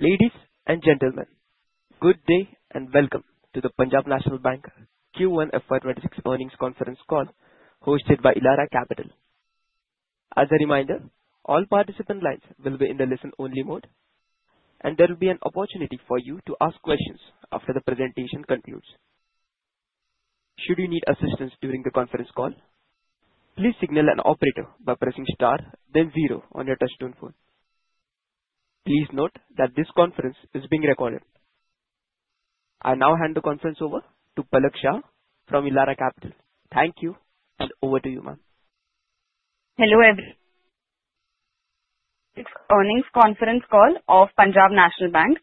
Ladies and gentlemen, good day and welcome to the Punjab National Bank Q1 FY26 earnings conference call hosted by Elara Capital. As a reminder, all participant lines will be in the listen-only mode, and there will be an opportunity for you to ask questions after the presentation concludes. Should you need assistance during the conference call, please signal an operator by pressing star, then zero on your touch-tone phone. Please note that this conference is being recorded. I now hand the conference over to Palak Shah from Elara Capital. Thank you, and over to you, ma'am. Hello everyone. It's the earnings conference call of Punjab National Bank.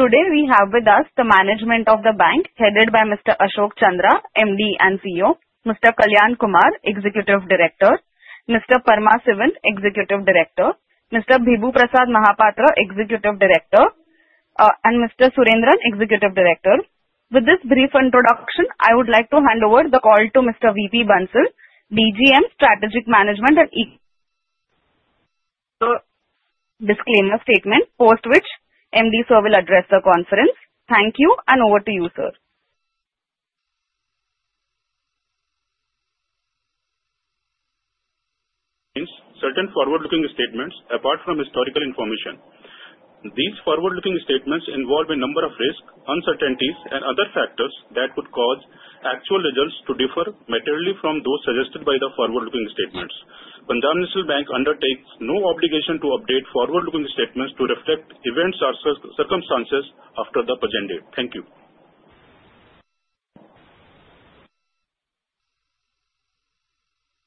Today we have with us the management of the bank, headed by Mr. Ashok Chandra, MD and CEO, Mr. Kalyan Kumar, Executive Director, Mr. Paramasivam, Executive Director, Mr. Bibhu Prasad Mahapatra, Executive Director, and Mr. Surendran, Executive Director. With this brief introduction, I would like to hand over the call to Mr. V.P. Bansal, DGM Strategic Management and Equity. Sir. Disclaimer statement, after which MD sir will address the conference. Thank you, and over to you, sir. contains certain forward-looking statements apart from historical information. These forward-looking statements involve a number of risks, uncertainties, and other factors that could cause actual results to differ materially from those suggested by the forward-looking statements. Punjab National Bank undertakes no obligation to update forward-looking statements to reflect events or circumstances after the present day. Thank you.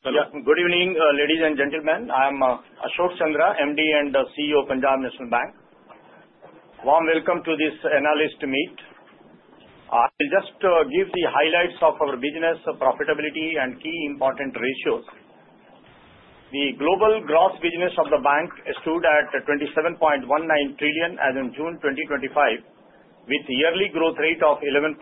Good evening, ladies and gentlemen. I am Ashok Chandra, MD and CEO of Punjab National Bank. Warm welcome to this analyst meet. I will just give the highlights of our business profitability and key important ratios. The global gross business of the bank stood at 27.19 trillion as of June 2025, with a yearly growth rate of 11.6%.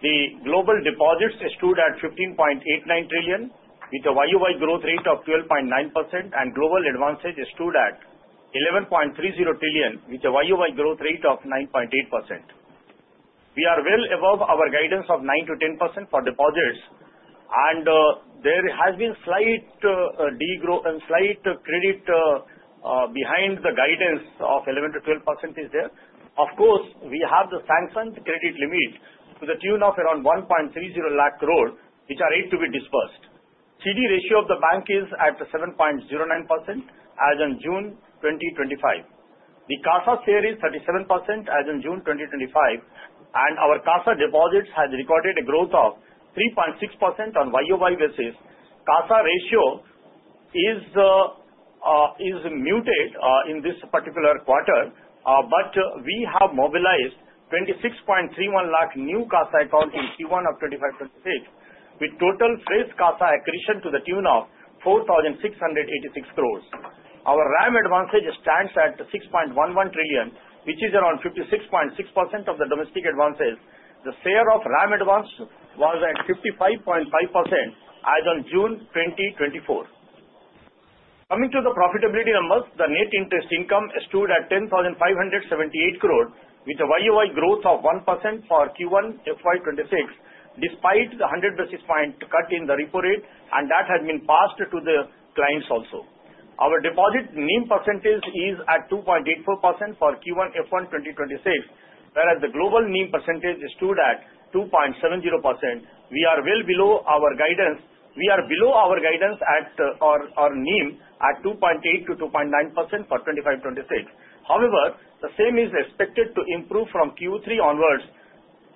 The global deposits stood at 15.89 trillion, with a YOY growth rate of 12.9%, and global advances stood at 11.30 trillion, with a YOY growth rate of 9.8%. We are well above our guidance of 9%-10% for deposits, and there has been slight degrowth and slight credit growth behind the guidance of 11%-12%. Of course, we have the sanctioned credit limit to the tune of around 1.30 lakh crore, which are yet to be disbursed. CD ratio of the bank is at 70.9% as of June 2025. The CASA share is 37% as of June 2025, and our CASA deposits have recorded a growth of 3.6% on YOY basis. CASA ratio is muted in this particular quarter, but we have mobilized 26.31 lakh new CASA accounts in Q1 of 2025, with total fresh CASA accretion to the tune of 4,686 crores. Our RAM advances stands at 6.11 trillion, which is around 56.6% of the domestic advances. The share of RAM advance was at 55.5% as of June 2024. Coming to the profitability numbers, the net interest income stood at 10,578 crore, with a YOY growth of 1% for Q1 FY26, despite the 100 basis point cut in the repo rate, and that has been passed to the clients also. Our deposit NIM percentage is at 2.84% for Q1 FY26, whereas the global NIM percentage stood at 2.70%. We are well below our guidance. We are below our guidance at our NIM at 2.8%-2.9% for 2025. However, the same is expected to improve from Q3 onwards,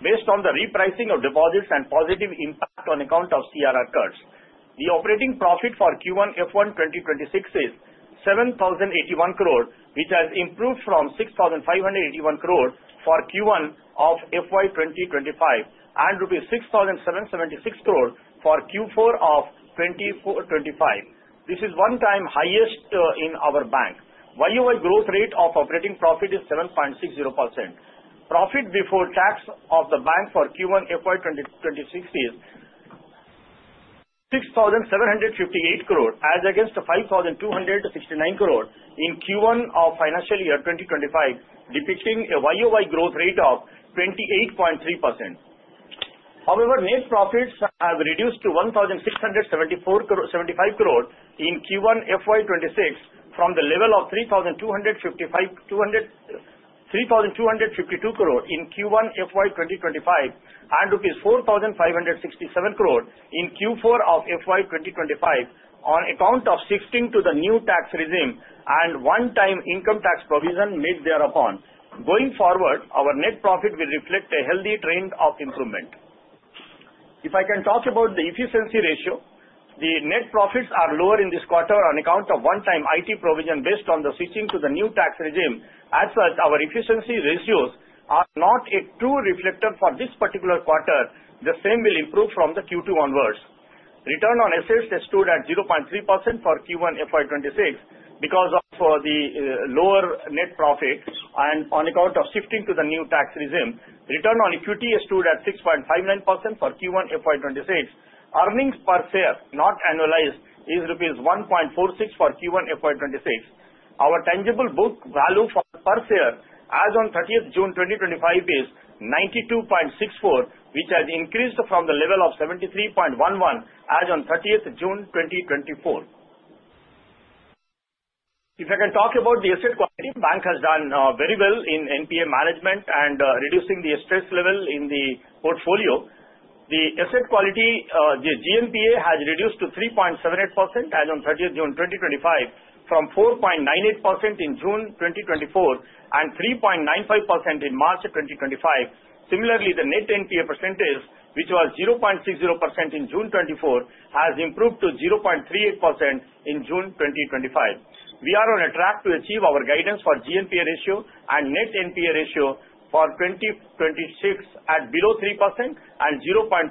based on the repricing of deposits and positive impact on account of MCLR curves. The operating profit for Q1 FY26 is 7,081 crore, which has improved from 6,581 crore for Q1 of FY25 and rupees 6,776 crore for Q4 of 2025. This is all-time highest in our bank. YOY growth rate of operating profit is 7.60%. Profit before Tax of the bank for Q1 FY26 is 6,758 crore, as against 5,269 crore in Q1 of financial year 2025, depicting a YOY growth rate of 28.3%. However, net profits have reduced to 1,675 crore in Q1 FY26 from the level of 3,252 crore in Q1 FY25 and rupees 4,567 crore in Q4 of FY25, on account of shifting to the new tax regime and one-time income tax provision made thereupon. Going forward, our net profit will reflect a healthy trend of improvement. If I can talk about the efficiency ratio, the net profits are lower in this quarter on account of one-time IT provision based on the shifting to the new tax regime. As such, our efficiency ratios are not a true reflector for this particular quarter. The same will improve from the Q2 onwards. Return on assets stood at 0.3% for Q1 FY26 because of the lower net profit, and on account of shifting to the new tax regime. Return on equity stood at 6.59% for Q1 FY26. Earnings per share, not annualized, is rupees 1.46 for Q1 FY26. Our tangible book value per share, as of 30 June 2025, is 92.64, which has increased from the level of 73.11 as of 30 June 2024. If I can talk about the asset quality, the bank has done very well in NPA management and reducing the stress level in the portfolio. The asset quality, the GNPA, has reduced to 3.78% as of 30 June 2025, from 4.98% in June 2024 and 3.95% in March 2025. Similarly, the net NPA percentage, which was 0.60% in June 2024, has improved to 0.38% in June 2025. We are on a track to achieve our guidance for GNPA ratio and net NPA ratio for 2026 at below 3% and 0.35%,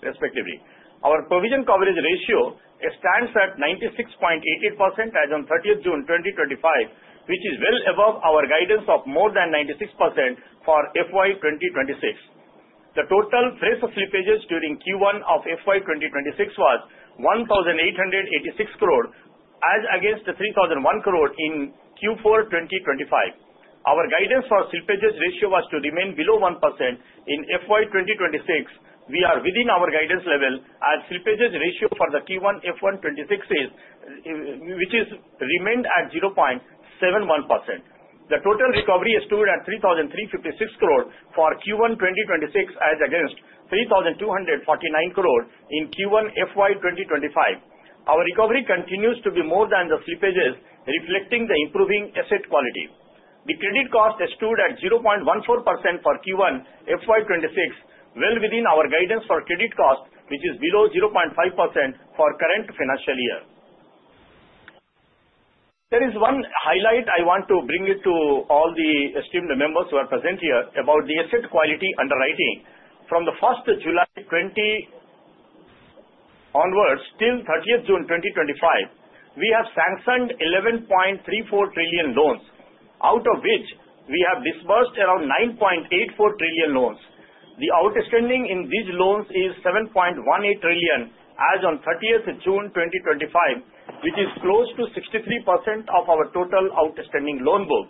respectively. Our provision coverage ratio stands at 96.88% as of June 30, 2025, which is well above our guidance of more than 96% for FY26. The total fresh slippages during Q1 of FY26 was 1,886 crore, as against 3,001 crore in Q4 2025. Our guidance for slippages ratio was to remain below 1% in FY26. We are within our guidance level, as slippages ratio for the Q1 FY26 remained at 0.71%. The total recovery stood at 3,356 crore for Q1 FY26, as against 3,249 crore in Q1 FY25. Our recovery continues to be more than the slippages, reflecting the improving asset quality. The credit cost stood at 0.14% for Q1 FY26, well within our guidance for credit cost, which is below 0.5% for the current financial year. There is one highlight I want to bring to all the esteemed members who are present here about the asset quality underwriting. From July 20 onwards till June 30, 2025, we have sanctioned 11.34 trillion loans, out of which we have disbursed around 9.84 trillion loans. The outstanding in these loans is 7.18 trillion as of June 30, 2025, which is close to 63% of our total outstanding loan book.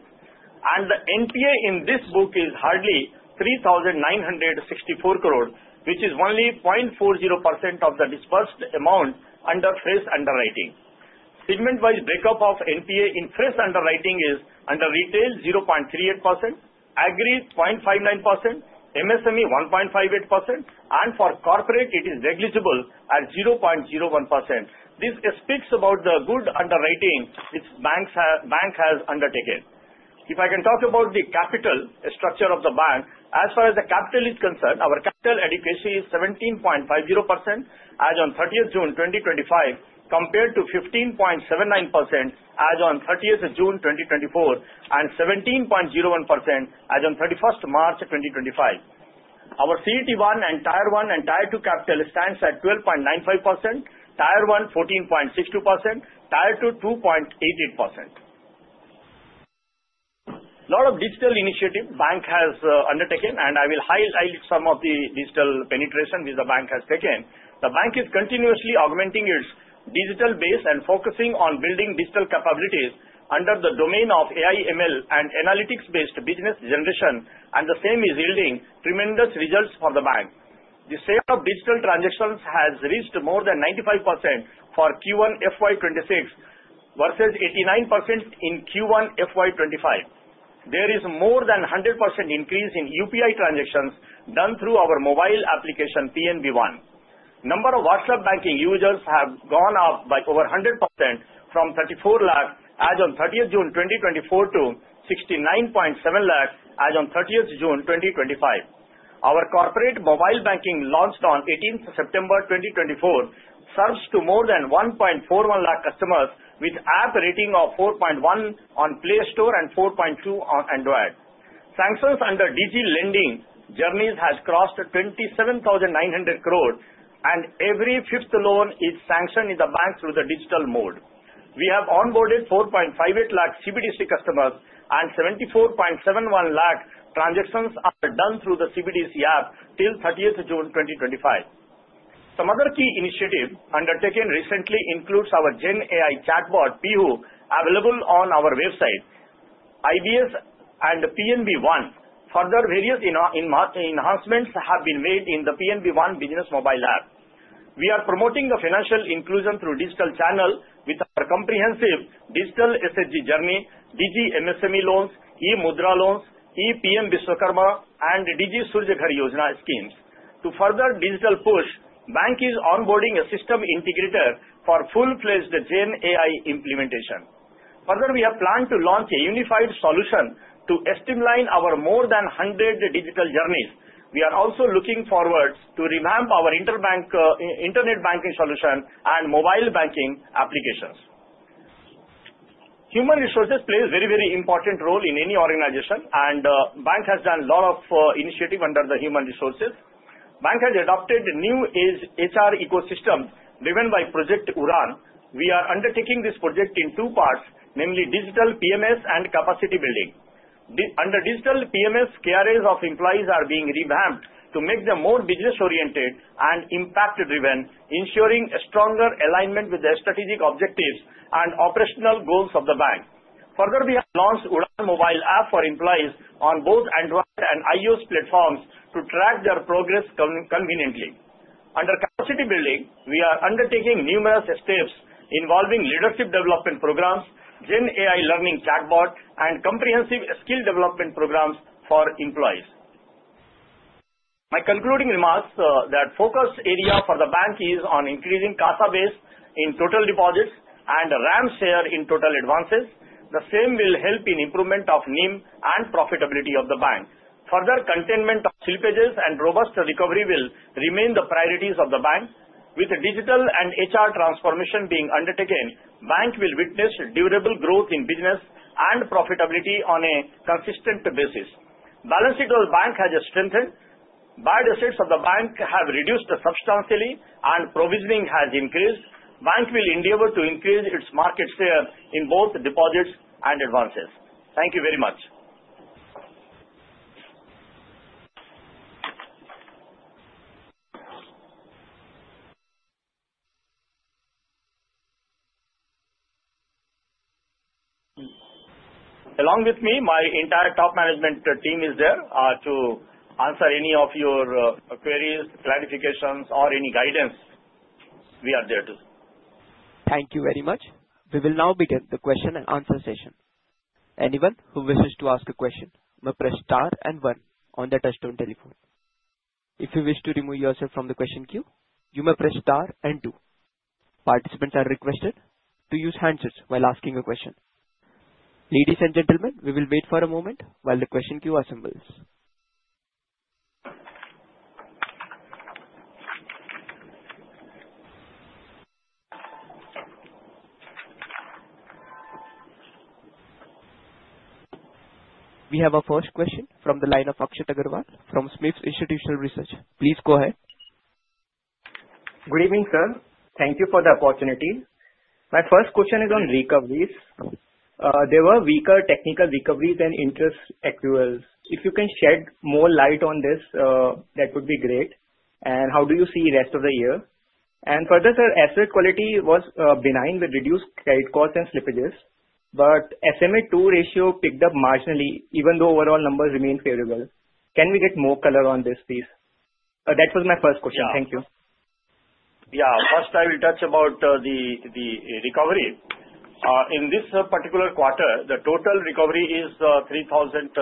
The NPA in this book is hardly 3,964 crore, which is only 0.40% of the disbursed amount under fresh underwriting. Segment-wise breakup of NPA in fresh underwriting is under retail 0.38%, agri 0.59%, MSME 1.58%, and for corporate, it is negligible at 0.01%. This speaks about the good underwriting which the bank has undertaken. If I can talk about the capital structure of the bank, as far as the capital is concerned, our capital adequacy is 17.50% as of June 30, 2025, compared to 15.79% as of June 30, 2024, and 17.01% as of March 31, 2025. Our CET1 and Tier 1 and Tier 2 capital stands at 12.95%, Tier 1 14.62%, Tier 2 2.88%. A lot of digital initiatives the bank has undertaken, and I will highlight some of the digital penetration which the bank has taken. The bank is continuously augmenting its digital base and focusing on building digital capabilities under the domain of AI/ML and analytics-based business generation, and the same is yielding tremendous results for the bank. The share of digital transactions has reached more than 95% for Q1 FY26 versus 89% in Q1 FY25. There is more than 100% increase in UPI transactions done through our mobile application, PNB One. The number of WhatsApp banking users has gone up by over 100% from 34 lakh as of June 30, 2024, to 69.7 lakh as of June 30, 2025. Our corporate mobile banking, launched on September 18, 2024, serves to more than 1.41 lakh customers, with an app rating of 4.1 on Play Store and 4.2 on Android. Sanctions under Digi lending journeys have crossed 27,900 crore, and every fifth loan is sanctioned in the bank through the digital mode. We have onboarded 4.58 lakh CBDC customers, and 74.71 lakh transactions are done through the CBDC app till June 30, 2025. Some other key initiatives undertaken recently include our Gen AI chatbot, Pihu, available on our website. IBS and PNB One, further various enhancements have been made in the PNB One Business Mobile app. We are promoting financial inclusion through digital channels with our comprehensive digital SHG journey, Digi MSME loans, e-Mudra loans, e-PM Vishwakarma, and Digi Surya Ghar Yojana schemes. To further digital push, the bank is onboarding a system integrator for full-fledged Gen AI implementation. Further, we have planned to launch a unified solution to streamline our more than 100 digital journeys. We are also looking forward to revamping our internet banking solution and mobile banking applications. Human resources plays a very, very important role in any organization, and the bank has done a lot of initiatives under human resources. The bank has adopted a new HR ecosystem driven by Project Udaan. We are undertaking this project in two parts, namely digital PMS and capacity building. Under digital PMS, careers of employees are being revamped to make them more business-oriented and impact-driven, ensuring a stronger alignment with the strategic objectives and operational goals of the bank. Further, we have launched the Udaan mobile app for employees on both Android and iOS platforms to track their progress conveniently. Under capacity building, we are undertaking numerous steps involving leadership development programs, Gen AI learning chatbot, and comprehensive skill development programs for employees. My concluding remarks are that the focus area for the bank is on increasing CASA base in total deposits and RAM share in total advances. The same will help in the improvement of NIM and profitability of the bank. Further, containment of slippages and robust recovery will remain the priorities of the bank. With digital and HR transformation being undertaken, the bank will witness durable growth in business and profitability on a consistent basis. Balance sheet has strengthened. Bad assets of the bank have reduced substantially, and provisioning has increased. The bank will endeavor to increase its market share in both deposits and advances. Thank you very much. Along with me, my entire top management team is there to answer any of your queries, clarifications, or any guidance. We are there too. Thank you very much. We will now begin the question and answer session. Anyone who wishes to ask a question may press Star and One on the touch-tone telephone. If you wish to remove yourself from the question queue, you may press Star and Two. Participants are requested to use handsets while asking a question. Ladies and gentlemen, we will wait for a moment while the question queue assembles. We have a first question from the line of Akshit Agarwal from Systematix Institutional Research. Please go ahead. Good evening, sir. Thank you for the opportunity. My first question is on recoveries. There were weaker technical recoveries than interest accruals. If you can shed more light on this, that would be great. And how do you see the rest of the year? And further, the asset quality was benign with reduced credit costs and slippages, but the SMA2 ratio picked up marginally, even though overall numbers remained favorable. Can we get more color on this, please? That was my first question. Thank you. Yeah, first, I will touch about the recovery. In this particular quarter, the total recovery is 3,356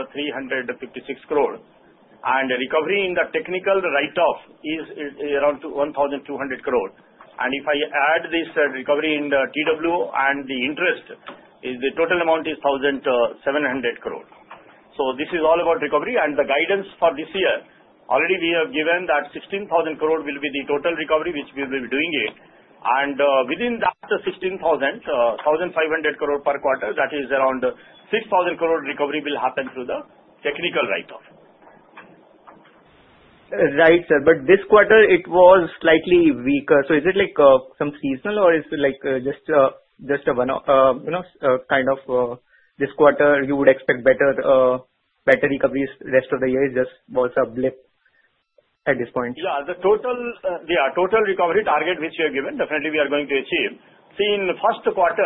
crore, and the recovery in the technical write-off is around 1,200 crore. And if I add this recovery in TW and the interest, the total amount is 1,700 crore. So this is all about recovery. And the guidance for this year, already we have given that 16,000 crore will be the total recovery, which we will be doing it. And within that 16,000, 1,500 crore per quarter, that is around 6,000 crore recovery will happen through the technical write-off. Right, sir. This quarter, it was slightly weaker. Is it like some seasonal, or is it like just a kind of this quarter you would expect better recoveries the rest of the year? It just was a blip at this point. Yeah, the total recovery target which we have given, definitely we are going to achieve. See, in the first quarter,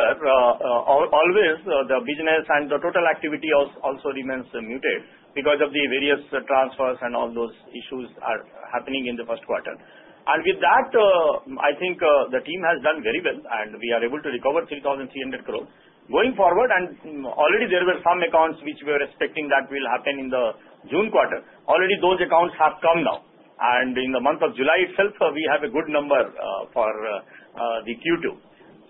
always the business and the total activity also remains muted because of the various transfers and all those issues happening in the first quarter. With that, I think the team has done very well, and we are able to recover 3,300 crore. Going forward, already there were some accounts which we were expecting that will happen in the June quarter. Already those accounts have come now. In the month of July itself, we have a good number for the Q2.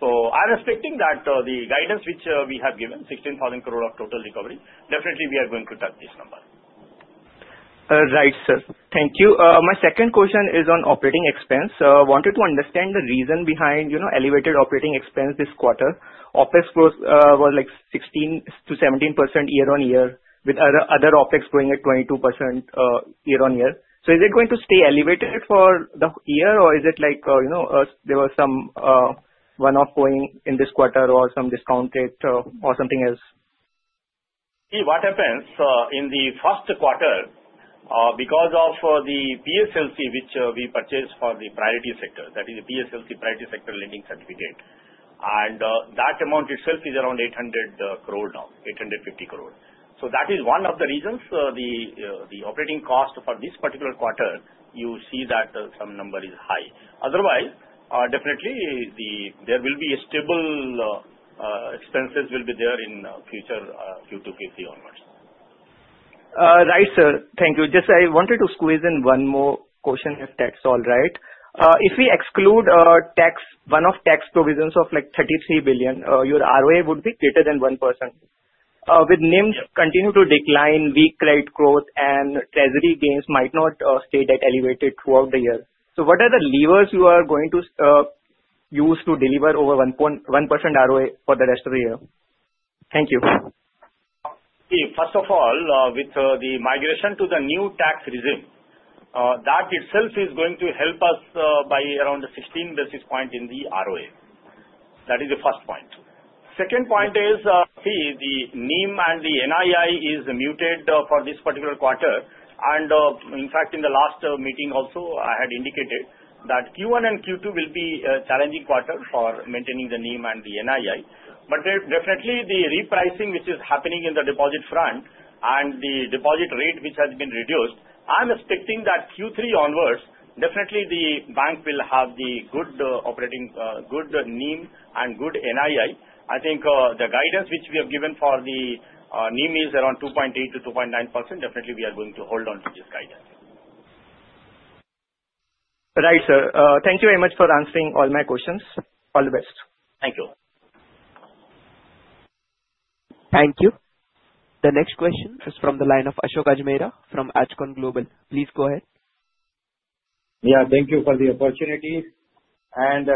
So I'm expecting that the guidance which we have given, 16,000 crore of total recovery, definitely we are going to touch this number. Right, sir. Thank you. My second question is on operating expense. I wanted to understand the reason behind elevated operating expense this quarter. OpEx growth was like 16%-17% year-on-year, with other OpEx going at 22% year-on-year. So is it going to stay elevated for the year, or is it like there was some one-off going in this quarter or some discount rate or something else? See, what happens in the first quarter, because of the PSLC which we purchased for the priority sector, that is the PSLC priority sector lending certificate, and that amount itself is around 800 crore now, 850 crore. So that is one of the reasons the operating cost for this particular quarter, you see that some number is high. Otherwise, definitely there will be stable expenses will be there in future Q2, Q3 onwards. Right, sir. Thank you. Just I wanted to squeeze in one more question if that's all right. If we exclude one of tax provisions of like 33 billion, your ROA would be greater than 1%. With NIMs continuing to decline, weak credit growth, and treasury gains might not stay that elevated throughout the year. So what are the levers you are going to use to deliver over 1% ROA for the rest of the year? Thank you. See, first of all, with the migration to the new tax regime, that itself is going to help us by around 16 basis points in the ROA. That is the first point. Second point is, see, the NIM and the NII is muted for this particular quarter. And in fact, in the last meeting also, I had indicated that Q1 and Q2 will be a challenging quarter for maintaining the NIM and the NII. But definitely, the repricing which is happening in the deposit front and the deposit rate which has been reduced, I'm expecting that Q3 onwards, definitely the bank will have the good NIM and good NII. I think the guidance which we have given for the NIM is around 2.8%-2.9%. Definitely, we are going to hold on to this guidance. Right, sir. Thank you very much for answering all my questions. All the best. Thank you. Thank you. The next question is from the line of Ashok Ajmera from Ajcon Global. Please go ahead. Yeah, thank you for the opportunity. And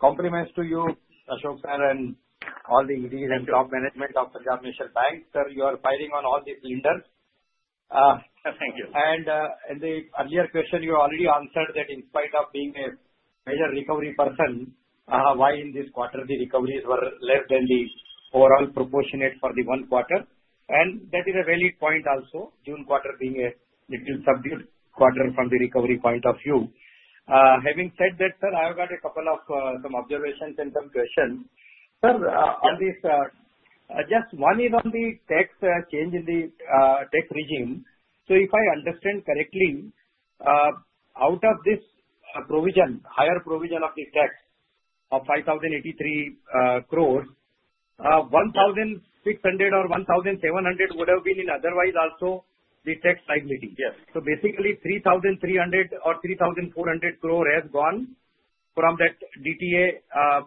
compliments to you, Ashok sir, and all the engineers and top management of Punjab National Bank. Sir, you are firing on all cylinders. Thank you. In the earlier question, you already answered that in spite of being a major recovery portion, why in this quarter the recoveries were less than the overall proportion for the one quarter. That is a valid point also. June quarter being a little subdued quarter from the recovery point of view. Having said that, sir, I have got a couple of some observations and some questions. Sir, just one is on the change in the tax regime. If I understand correctly, out of this higher provision for the tax of 5,083 crore, 1,600 or 1,700 would have been otherwise also the tax liability. Basically, 3,300 or 3,400 crore has gone from that DTA.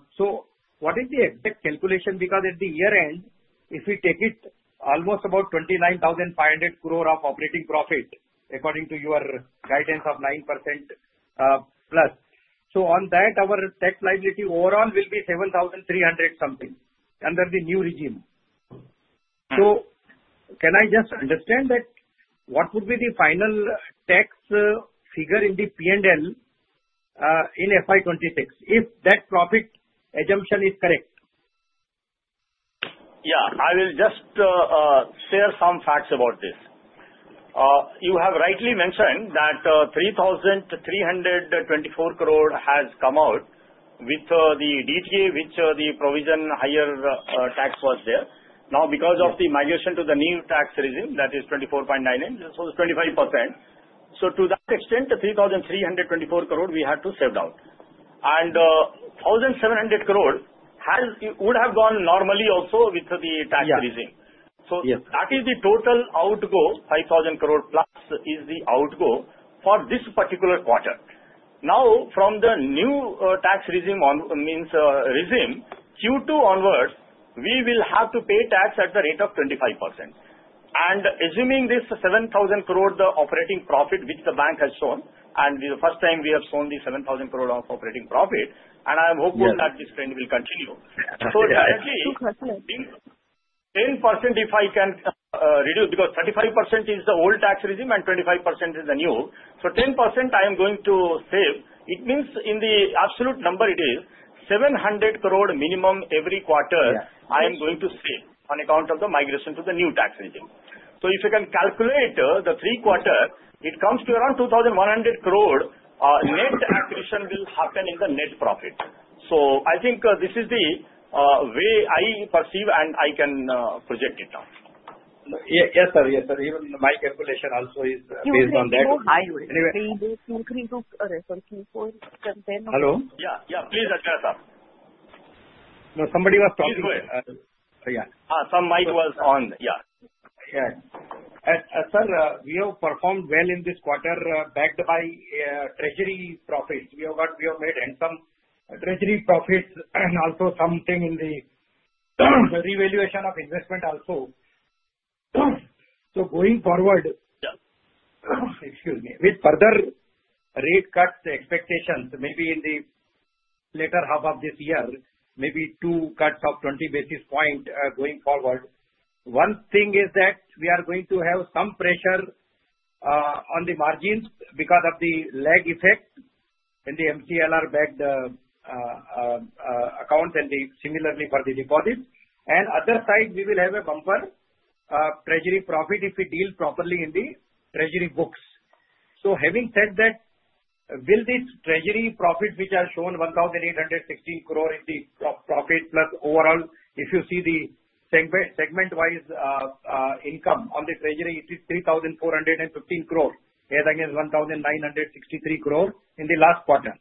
What is the exact calculation? Because at the year end, if we take it, almost about 29,500 crore of operating profit according to your guidance of 9% plus. So on that, our tax liability overall will be 7,300 something under the new regime. So can I just understand that what would be the final tax figure in the P&L in FY26 if that profit assumption is correct? Yeah, I will just share some facts about this. You have rightly mentioned that 3,324 crore has come out with the DTA which the provision higher tax was there. Now, because of the migration to the new tax regime, that is 24.98, so it's 25%. So to that extent, 3,324 crore we have to save down. And 1,700 crore would have gone normally also with the tax regime. So that is the total outgo 5,000 crore plus is the outgo for this particular quarter. Now, from the new tax regime means regime, Q2 onwards, we will have to pay tax at the rate of 25%. And assuming this 7,000 crore the operating profit which the bank has shown, and the first time we have shown the 7,000 crore of operating profit, and I am hopeful that this trend will continue. So directly, 10% if I can reduce because 35% is the old tax regime and 25% is the new. So 10% I am going to save. It means in the absolute number it is 700 crore minimum every quarter I am going to save on account of the migration to the new tax regime. So if you can calculate the three quarter, it comes to around 2,100 crore net accretion will happen in the net profit. So I think this is the way I perceive and I can project it now. Yes, sir. Sir, we have performed well in this quarter backed by treasury profits. We have made handsome treasury profits and also something in the revaluation of investment also. So going forward, excuse me, with further rate cuts expectations, maybe in the later half of this year, maybe two cuts of 20 basis point going forward. One thing is that we are going to have some pressure on the margins because of the lag effect in the MCLR-backed accounts and similarly for the deposits. And on the other side, we will have a bumper treasury profit if we deal properly in the treasury books. So having said that, will this treasury profit which has shown 1,816 crore is the profit plus overall, if you see the segment-wise income on the treasury, it is 3,415 crore as against 1,963 crore in the last quarter.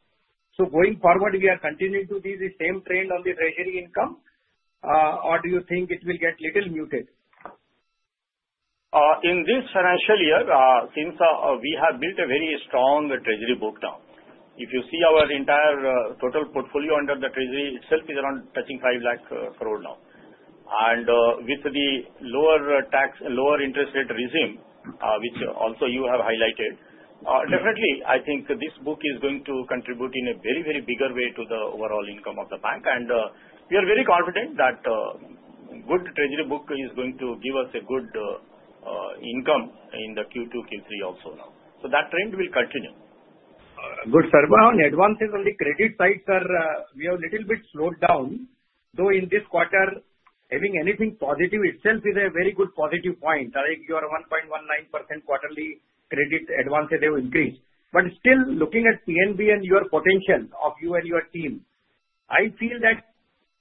So going forward, we are continuing to see the same trend on the treasury income, or do you think it will get a little muted? In this financial year, since we have built a very strong treasury book now, if you see our entire total portfolio under the treasury itself is around touching 5 lakh crore now. And with the lower tax and lower interest rate regime, which also you have highlighted, definitely, I think this book is going to contribute in a very, very bigger way to the overall income of the bank. And we are very confident that good treasury book is going to give us a good income in the Q2, Q3 also now. So that trend will continue. Good, sir. But on advances on the credit side, sir, we are a little bit slowed down. Though in this quarter, having anything positive itself is a very good positive point. Like your 1.19% quarterly credit advances have increased. But still, looking at PNB and your potential of you and your team, I feel that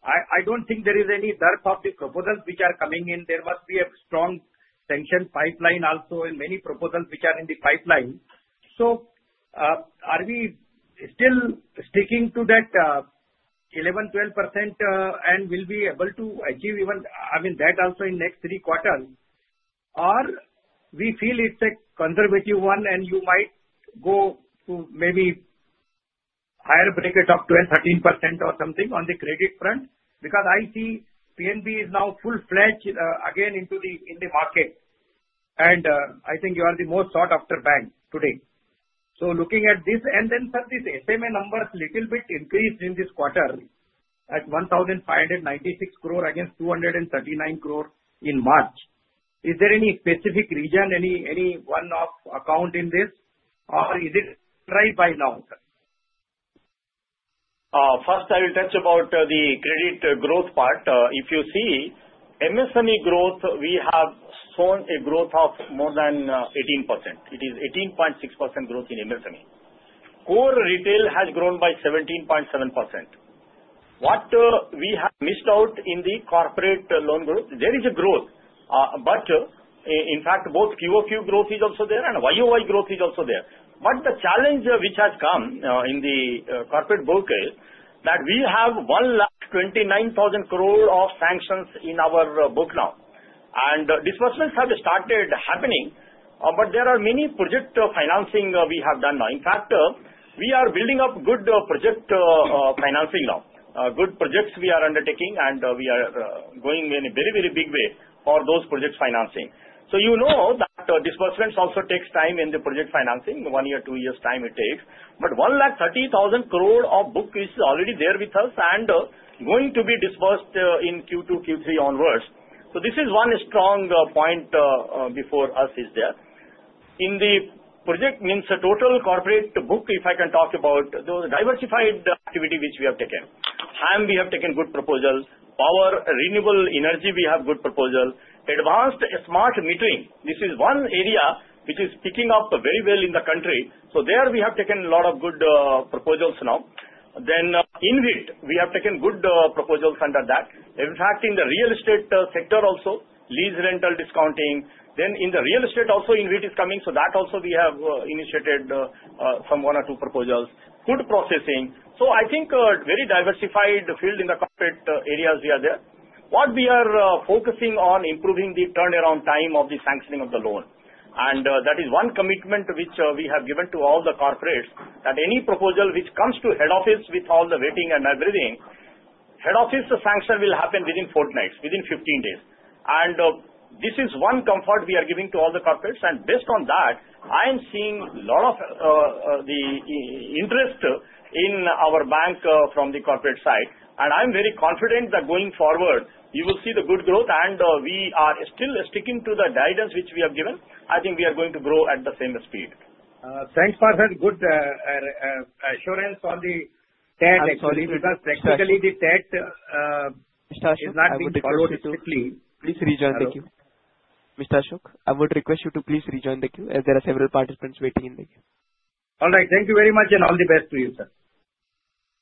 I don't think there is any dearth of the proposals which are coming in. There must be a strong sanction pipeline also in many proposals which are in the pipeline. So are we still sticking to that 11%-12% and will be able to achieve even, I mean, that also in next three quarters, or we feel it's a conservative one and you might go to maybe higher bracket of 12%-13% or something on the credit front? Because I see PNB is now full-fledged again into the market. And I think you are the most sought-after bank today. So looking at this, and then, sir, this SMA numbers a little bit increased in this quarter at 1,596 crore against 239 crore in March. Is there any specific region, any one-off account in this, or is it right by now? First, I will touch about the credit growth part. If you see, MSME growth, we have shown a growth of more than 18%. It is 18.6% growth in MSME. Core retail has grown by 17.7%. What we have missed out in the corporate loan growth, there is a growth. But in fact, both QOQ growth is also there, and YOY growth is also there. But the challenge which has come in the corporate book is that we have 1,29,000 crore of sanctions in our book now. And disbursements have started happening, but there are many project financing we have done now. In fact, we are building up good project financing now. Good projects we are undertaking, and we are going in a very, very big way for those project financing. So you know that disbursements also take time in the project financing, one year, two years' time it takes. But 1,30,000 crore of book is already there with us and going to be disbursed in Q2, Q3 onwards. So this is one strong point before us is there. In the project means total corporate book, if I can talk about the diversified activity which we have taken. Time, we have taken good proposals. Power, renewable energy, we have good proposals. Advanced smart metering, this is one area which is picking up very well in the country, so there we have taken a lot of good proposals now, then in IT, we have taken good proposals under that. In fact, in the real estate sector also, lease rental discounting, then in the real estate also, in IT is coming, so that also we have initiated some one or two proposals. Food processing, so I think very diversified field in the corporate areas we are there. What we are focusing on improving the turnaround time of the sanctioning of the loan. That is one commitment which we have given to all the corporates that any proposal which comes to head office with all the waiting and everything, head office sanction will happen within fortnight, within 15 days. This is one comfort we are giving to all the corporates. Based on that, I am seeing a lot of the interest in our bank from the corporate side. I'm very confident that going forward, you will see the good growth. We are still sticking to the guidance which we have given. I think we are going to grow at the same speed. Thanks, Ashok. Good assurance on the TAT, actually, because technically the TAT is not being followed strictly. Please rejoin. Thank you. Mr. Ashok, I would request you to please rejoin the queue as there are several participants waiting in the queue. All right. Thank you very much and all the best to you, sir.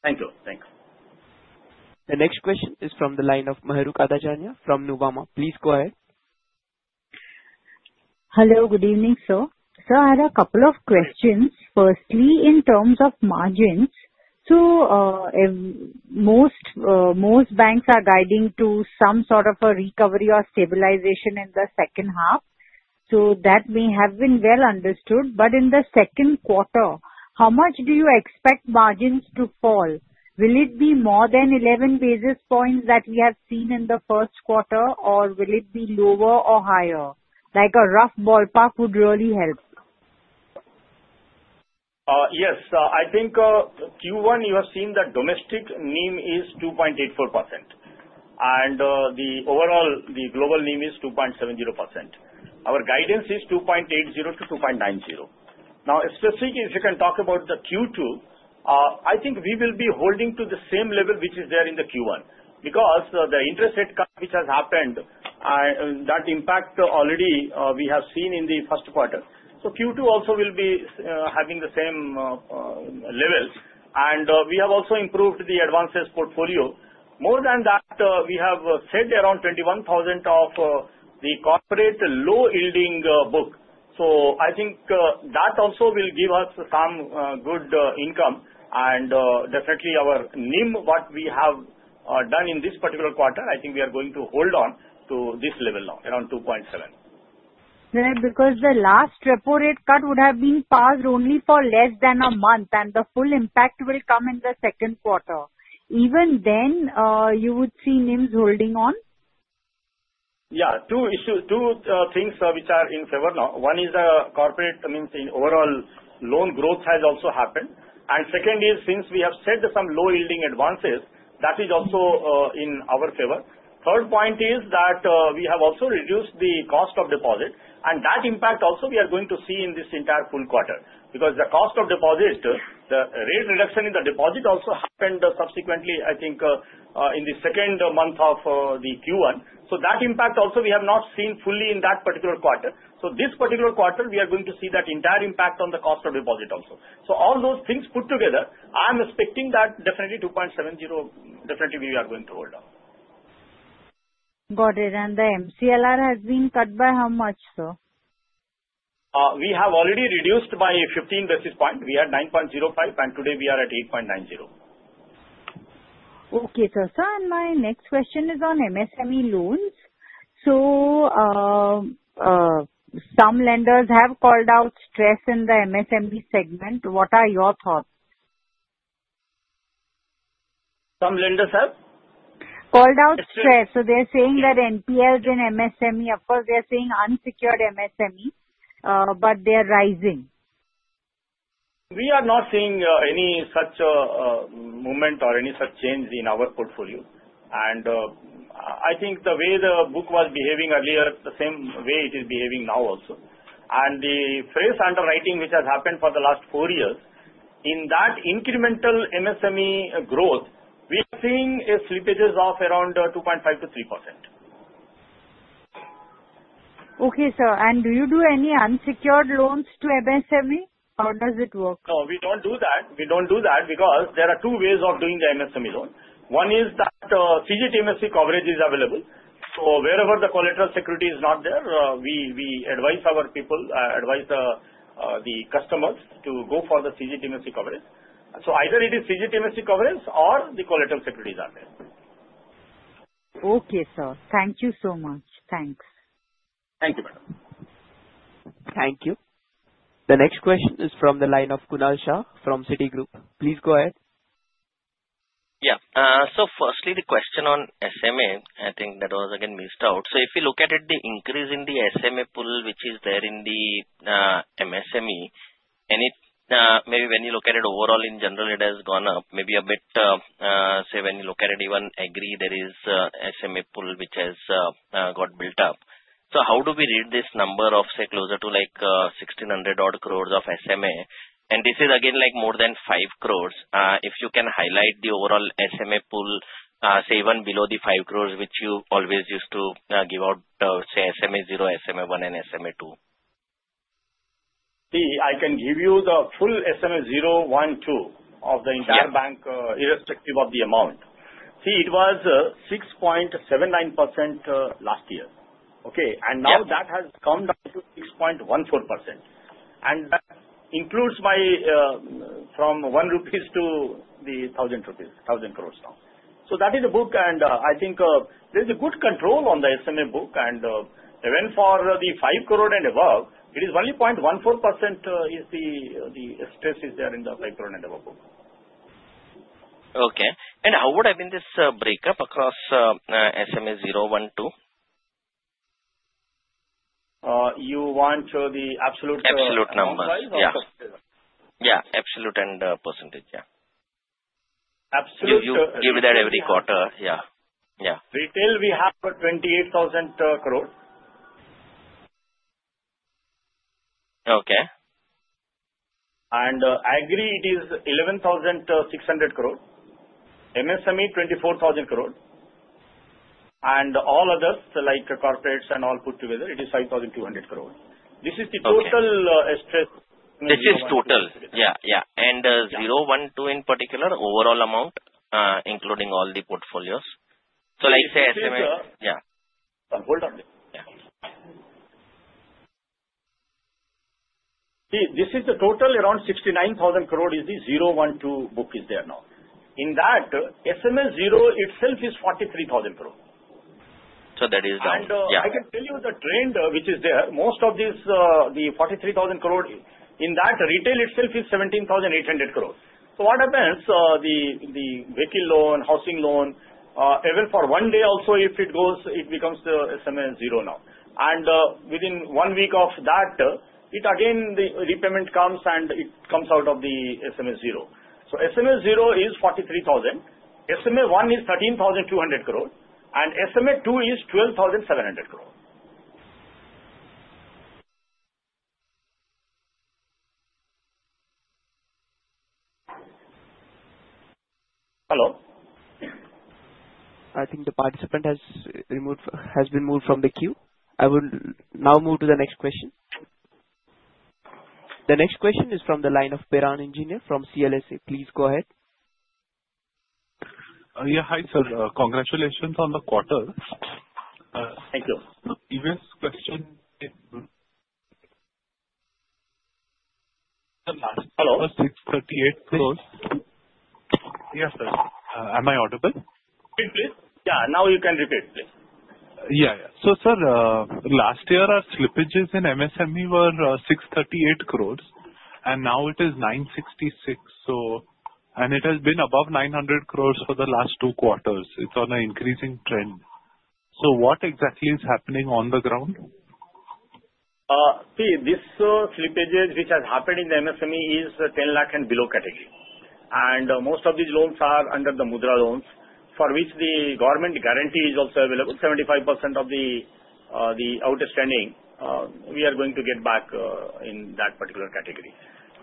Thank you. Thank you. The next question is from the line of Mahrukh Adajania from Nuvama. Please go ahead. Hello. Good evening, sir. Sir, I have a couple of questions. Firstly, in terms of margins, so most banks are guiding to some sort of a recovery or stabilization in the second half. So that may have been well understood. But in the second quarter, how much do you expect margins to fall? Will it be more than 11 basis points that we have seen in the first quarter, or will it be lower or higher? A rough ballpark would really help. Yes. I think Q1, you have seen that domestic NIM is 2.84%, and overall, the global NIM is 2.70%. Our guidance is 2.80%-2.90%. Now, specifically, if you can talk about the Q2, I think we will be holding to the same level which is there in the Q1 because the interest rate cut which has happened, that impact already we have seen in the first quarter. So Q2 also will be having the same level. And we have also improved the advances portfolio. More than that, we have sold around 21,000 of the corporate low-yielding book. So I think that also will give us some good income. And definitely, our NIM, what we have done in this particular quarter, I think we are going to hold on to this level now, around 2.7%. Sir, because the last repo rate cut would have been passed only for less than a month, and the full impact will come in the second quarter. Even then, you would see NIMs holding on? Yeah. Two things which are in favor now. One is the corporate mix in overall loan growth has also happened. And second is, since we have shed some low-yielding advances, that is also in our favor. Third point is that we have also reduced the cost of deposit. And that impact also we are going to see in this entire full quarter because the cost of deposit, the rate reduction in the deposit also happened subsequently, I think, in the second month of the Q1. So that impact also we have not seen fully in that particular quarter. So this particular quarter, we are going to see that entire impact on the cost of deposit also. So all those things put together, I'm expecting that definitely 2.70, definitely we are going to hold on. Got it. And the MCLR has been cut by how much, sir? We have already reduced by 15 basis points. We are 9.05, and today we are at 8.90. Okay, sir. Sir, and my next question is on MSME loans. So some lenders have called out stress in the MSME segment. What are your thoughts? Some lenders, sir? Called out stress. So they're saying that NPLs in MSME, of course, they're saying unsecured MSME, but they're rising. We are not seeing any such movement or any such change in our portfolio. And I think the way the book was behaving earlier, the same way it is behaving now also. And the phrase underwriting which has happened for the last four years, in that incremental MSME growth, we are seeing slippages of around 2.5%-3%. Okay, sir. And do you do any unsecured loans to MSME? How does it work? No, we don't do that. We don't do that because there are two ways of doing the MSME loan. One is that CGTMSE coverage is available. So wherever the collateral security is not there, we advise our people, advise the customers to go for the CGTMSE coverage. So either it is CGTMSE coverage or the collateral securities are there. Okay, sir. Thank you so much. Thanks. Thank you, madam. Thank you. The next question is from the line of Kunal Shah from Citigroup. Please go ahead. Yeah. So firstly, the question on SMA, I think that was again missed out. So if you look at the increase in the SMA pool which is there in the MSME, maybe when you look at it overall in general, it has gone up maybe a bit. Say when you look at it, even Agri, there is SMA pool which has got built up. So how do we read this number of, say, closer to 1,600-odd crores of SMA? And this is again more than 5 crores. If you can highlight the overall SMA pool, say, even below the 5 crores which you always used to give out, say, SMA 0, SMA 1, and SMA 2. See, I can give you the full SMA 0, 1, 2 of the entire bank irrespective of the amount. See, it was 6.79% last year. Okay? And now that has come down to 6.14%. And that includes from ₹1 to the ₹1,000 crores now. So that is the book. And I think there is a good control on the SMA book. And now for the 5 crore and above, it is only 0.14% is the stress is there in the 5 crore and above book. Okay. How would have been this breakup across SMA 0, 1, 2? You want the absolute. Absolute numbers. Yeah. Yeah. Absolute and percentage. Yeah. Absolute. Give that every quarter. Yeah. Yeah. Retail, we have 28,000 crore. Okay. And Agri, it is 11,600 crore. MSME, 24,000 crore. And all others, like corporates and all put together, it is 5,200 crore. This is the total stress. This is total. Yeah. Yeah. And 0, 1, 2 in particular, overall amount, including all the portfolios. So like say SMA. Yeah. Hold on. Yeah. See, this is the total around 69,000 crore is the 0, 1, 2 book is there now. In that, SMA 0 itself is 43,000 crore. So that is down. Yeah. I can tell you the trend which is there. Most of this, the 43,000 crore, in that, retail itself is 17,800 crore. So what happens, the vehicle loan, housing loan, even for one day also, if it goes, it becomes the SMA 0 now. And within one week of that, it again, the repayment comes and it comes out of the SMA 0. So SMA 0 is 43,000. SMA 1 is 13,200 crore. And SMA 2 is 12,700 crore. Hello? I think the participant has been moved from the queue. I will now move to the next question. The next question is from the line of Piran Engineer from CLSA. Please go ahead. Yeah. Hi, sir. Congratulations on the quarter. Thank you. Even question. Hello. 638 crore. Yes, sir. Am I audible? Repeat, please. Yeah. Now you can repeat, please. Yeah. Yeah. So, sir, last year, our slippages in MSME were 638 crores. And now it is 966. And it has been above 900 crores for the last two quarters. It's on an increasing trend. So what exactly is happening on the ground? See, this slippages which has happened in the MSME is 10 lakh and below category. And most of these loans are under the Mudra loans for which the government guarantee is also available. 75% of the outstanding, we are going to get back in that particular category.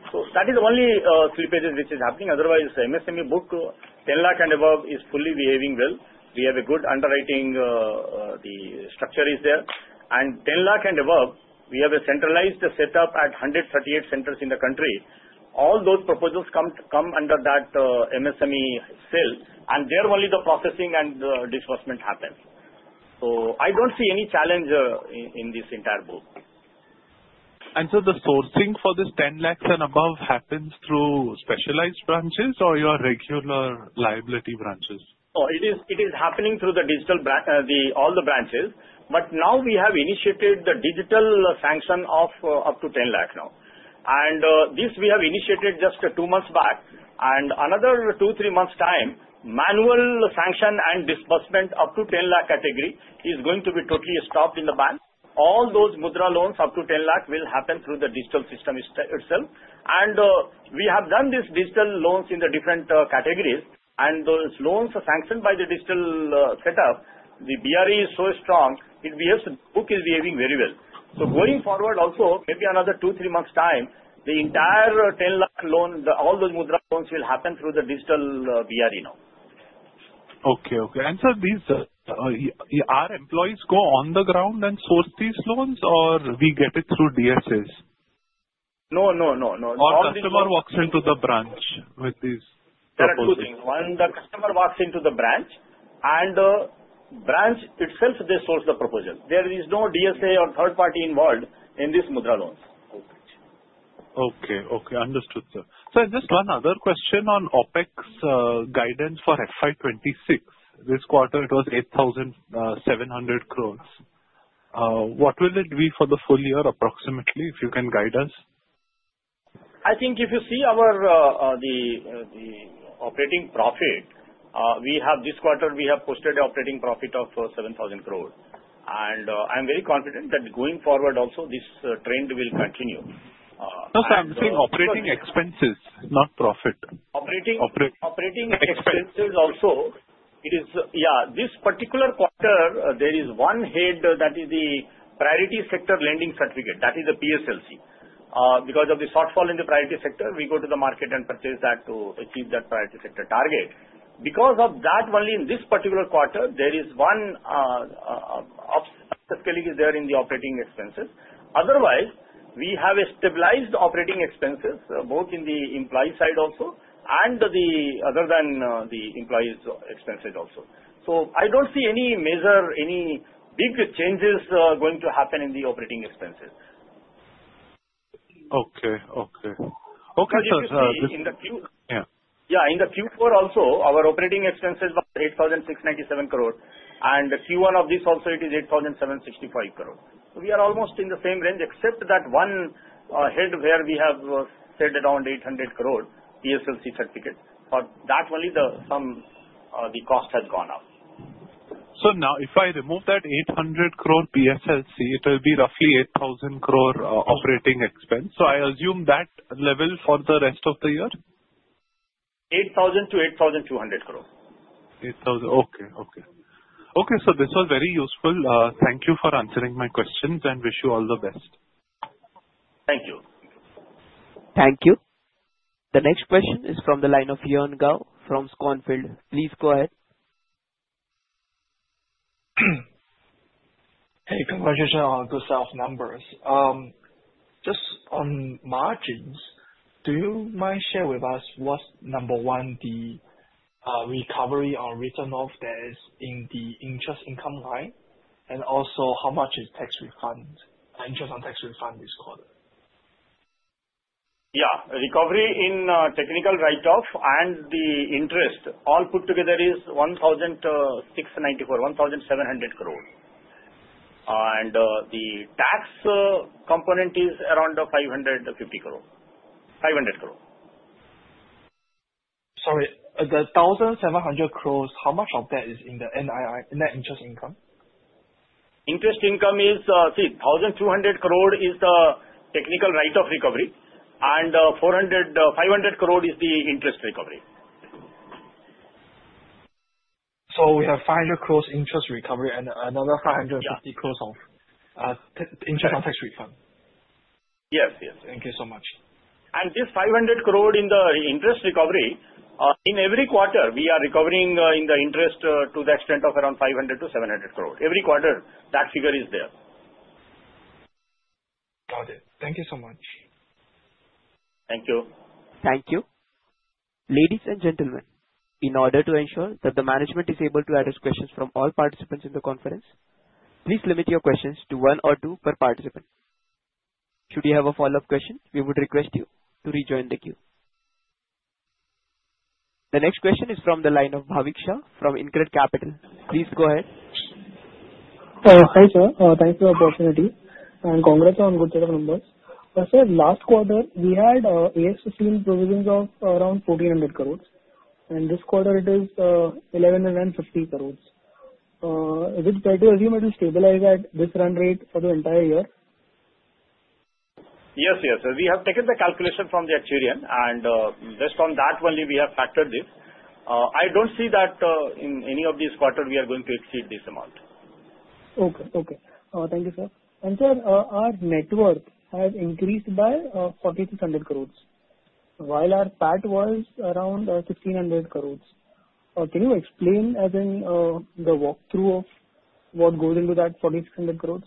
So that is the only slippages which is happening. Otherwise, MSME book, 10 lakh and above is fully behaving well. We have a good underwriting. The structure is there. And 10 lakh and above, we have a centralized setup at 138 centers in the country. All those proposals come under that MSME cell. And there only the processing and disbursement happens. So I don't see any challenge in this entire book. And so the sourcing for this 10 lakhs and above happens through specialized branches or your regular liability branches? Oh, it is happening through all the branches. But now we have initiated the digital sanction of up to 10 lakh now. And this we have initiated just two months back. And another two, three months' time, manual sanction and disbursement up to 10 lakh category is going to be totally stopped in the bank. All those Mudra loans up to 10 lakh will happen through the digital system itself. And we have done these digital loans in the different categories. And those loans are sanctioned by the digital setup. The BRE is so strong. It behaves. The book is behaving very well. So going forward also, maybe another two, three months' time, the entire 10 lakh loan, all those Mudra loans will happen through the digital BRE now. Okay. Okay. And sir, our employees go on the ground and source these loans or we get it through DSAs? No, no, no, no. A customer walks into the branch with these proposals? There are two things. One, the customer walks into the branch. The branch itself, they source the proposals. There is no DSA or third party involved in these Mudra loans. Okay. Okay. Okay. Understood, sir. Sir, just one other question on OpEx guidance for FY26. This quarter, it was 8,700 crores. What will it be for the full year approximately if you can guide us? I think if you see the operating profit, we have this quarter, we have posted the operating profit of 7,000 crores. And I'm very confident that going forward also, this trend will continue. No, sir. I'm saying operating expenses, not profit. Operating expenses also, it is yeah. This particular quarter, there is one head that is the priority sector lending certificate. That is the PSLC. Because of the shortfall in the priority sector, we go to the market and purchase that to achieve that priority sector target. Because of that, only in this particular quarter, there is one upscaling is there in the operating expenses. Otherwise, we have stabilized operating expenses both in the employee side also and other than the employees' expenses also. So I don't see any big changes going to happen in the operating expenses. Okay. Okay. Okay, sir. Yeah. In the Q4 also, our operating expenses were 8,697 crores. And Q1 of this also, it is 8,765 crores. So we are almost in the same range except that one head where we have said around 800 crore PSLC certificate. For that only, some of the cost has gone up. So now if I remove that 800 crore PSLC, it will be roughly 8,000 crore operating expense. So I assume that level for the rest of the year? 8,000 to 8,200 crore. 8,000. Okay. Okay. Okay. So this was very useful. Thank you for answering my questions and wish you all the best. Thank you. Thank you. The next question is from the line of Yan Gao from Schonfeld. Please go ahead. Hey, congratulations on all those numbers. Just on margins, do you mind sharing with us what's number one, the recovery or return of debts in the interest income line? And also, how much is tax refund, interest on tax refund this quarter? Yeah. Recovery in technical write-off and the interest, all put together is 1,694, 1,700 crore. And the tax component is around 550 crore. 500 crore. Sorry. The 1,700 crores, how much of that is in the net interest income? Interest income is, see, 1,200 crore is the technical write-off recovery. And 500 crore is the interest recovery. So we have 500 crore interest recovery and another 550 crore interest on tax refund. Yes. Yes. Thank you so much. And this 500 crore in the interest recovery, in every quarter, we are recovering in the interest to the extent of around 500-700 crore. Every quarter, that figure is there. Got it. Thank you so much. Thank you. Thank you. Ladies and gentlemen, in order to ensure that the management is able to address questions from all participants in the conference, please limit your questions to one or two per participant. Should you have a follow-up question, we would request you to rejoin the queue. The next question is from the line of Bhavik Shah from InCred Capital. Please go ahead. Hi, sir. Thanks for the opportunity. And congrats on good set of numbers. Last quarter, we had AS-15 provisions of around 1,400 crores. And this quarter, it is 1,150 crores. Is it fair to assume it will stabilize at this run rate for the entire year? Yes. Yes. We have taken the calculation from the actuary. And based on that only, we have factored this. I don't see that in any of these quarters, we are going to exceed this amount. Okay. Okay. Thank you, sir. And sir, our net worth has increased by 4,600 crores, while our PAT was around 1,600 crores. Can you explain as in the walkthrough of what goes into that 4,600 crores?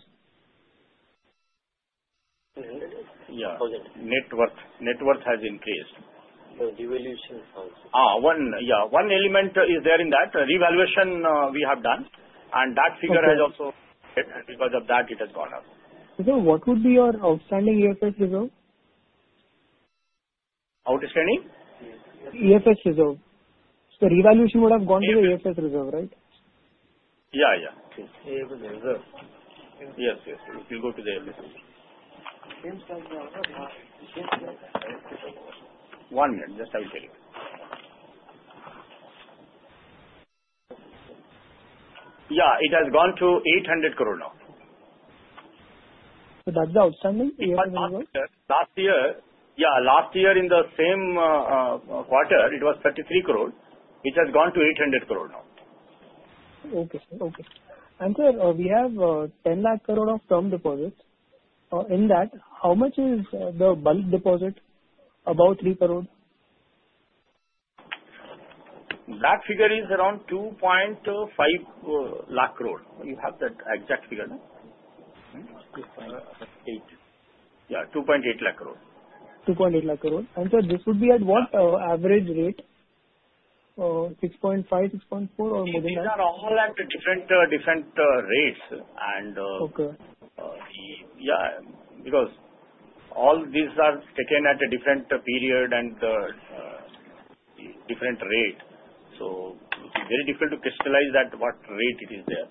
Yeah. Net worth has increased. The revaluation counts. Yeah. One element is there in that revaluation we have done. And that figure has also because of that, it has gone up. So what would be your outstanding AFS reserve? Outstanding? Yes. AFS reserve. So revaluation would have gone to the AFS reserve, right? Yeah. Yeah. AFS reserve. Yes. Yes. It will go to the AFS. One minute. Just a little bit. Yeah. It has gone to 800 crore now. So that's the outstanding AFS reserve? Last year, yeah, last year in the same quarter, it was 33 crore. It has gone to 800 crore now. Okay. Okay. And sir, we have 10 lakh crore of term deposit. In that, how much is the bulk deposit, about 3 lakh crore? That figure is around 2.5 lakh crore. You have that exact figure, no? Yeah. 2.8 lakh crore. 2.8 lakh crore. And sir, this would be at what average rate? 6.5, 6.4, or more than that? These are all at different rates. And yeah, because all these are taken at a different period and different rate. So it's very difficult to crystallize at what rate it is there.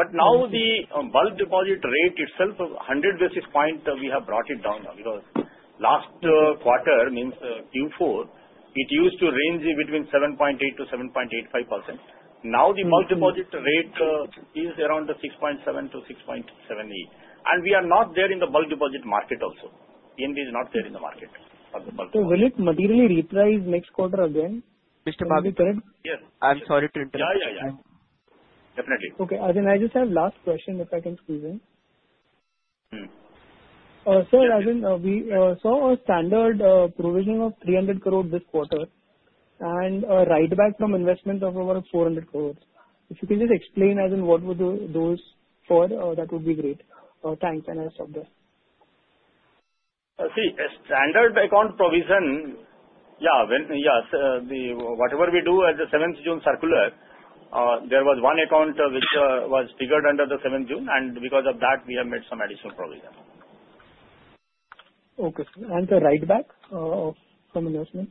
But now the bulk deposit rate itself, 100 basis points, we have brought it down now. Because last quarter, means Q4, it used to range between 7.8%-7.85%. Now the bulk deposit rate is around 6.7%-6.78%. And we are not there in the bulk deposit market also. PNB is not there in the market for the bulk deposit. So will it materially reprise next quarter again? Mr. Bhavik Shah? Yes. I'm sorry to interrupt. Yeah. Yeah. Definitely. Okay. As in, I just have last question if I can squeeze in. Sir, as in, we saw a standard provision of 300 crore this quarter and a write-back from investment of about 400 crore. If you can just explain as in what were those for, that would be great. Thanks. And I'll stop there. See, standard account provision, yeah, whatever we do at the 7th June circular, there was one account which was triggered under the 7th June. And because of that, we have made some additional provision. Okay. And the write-back from investment?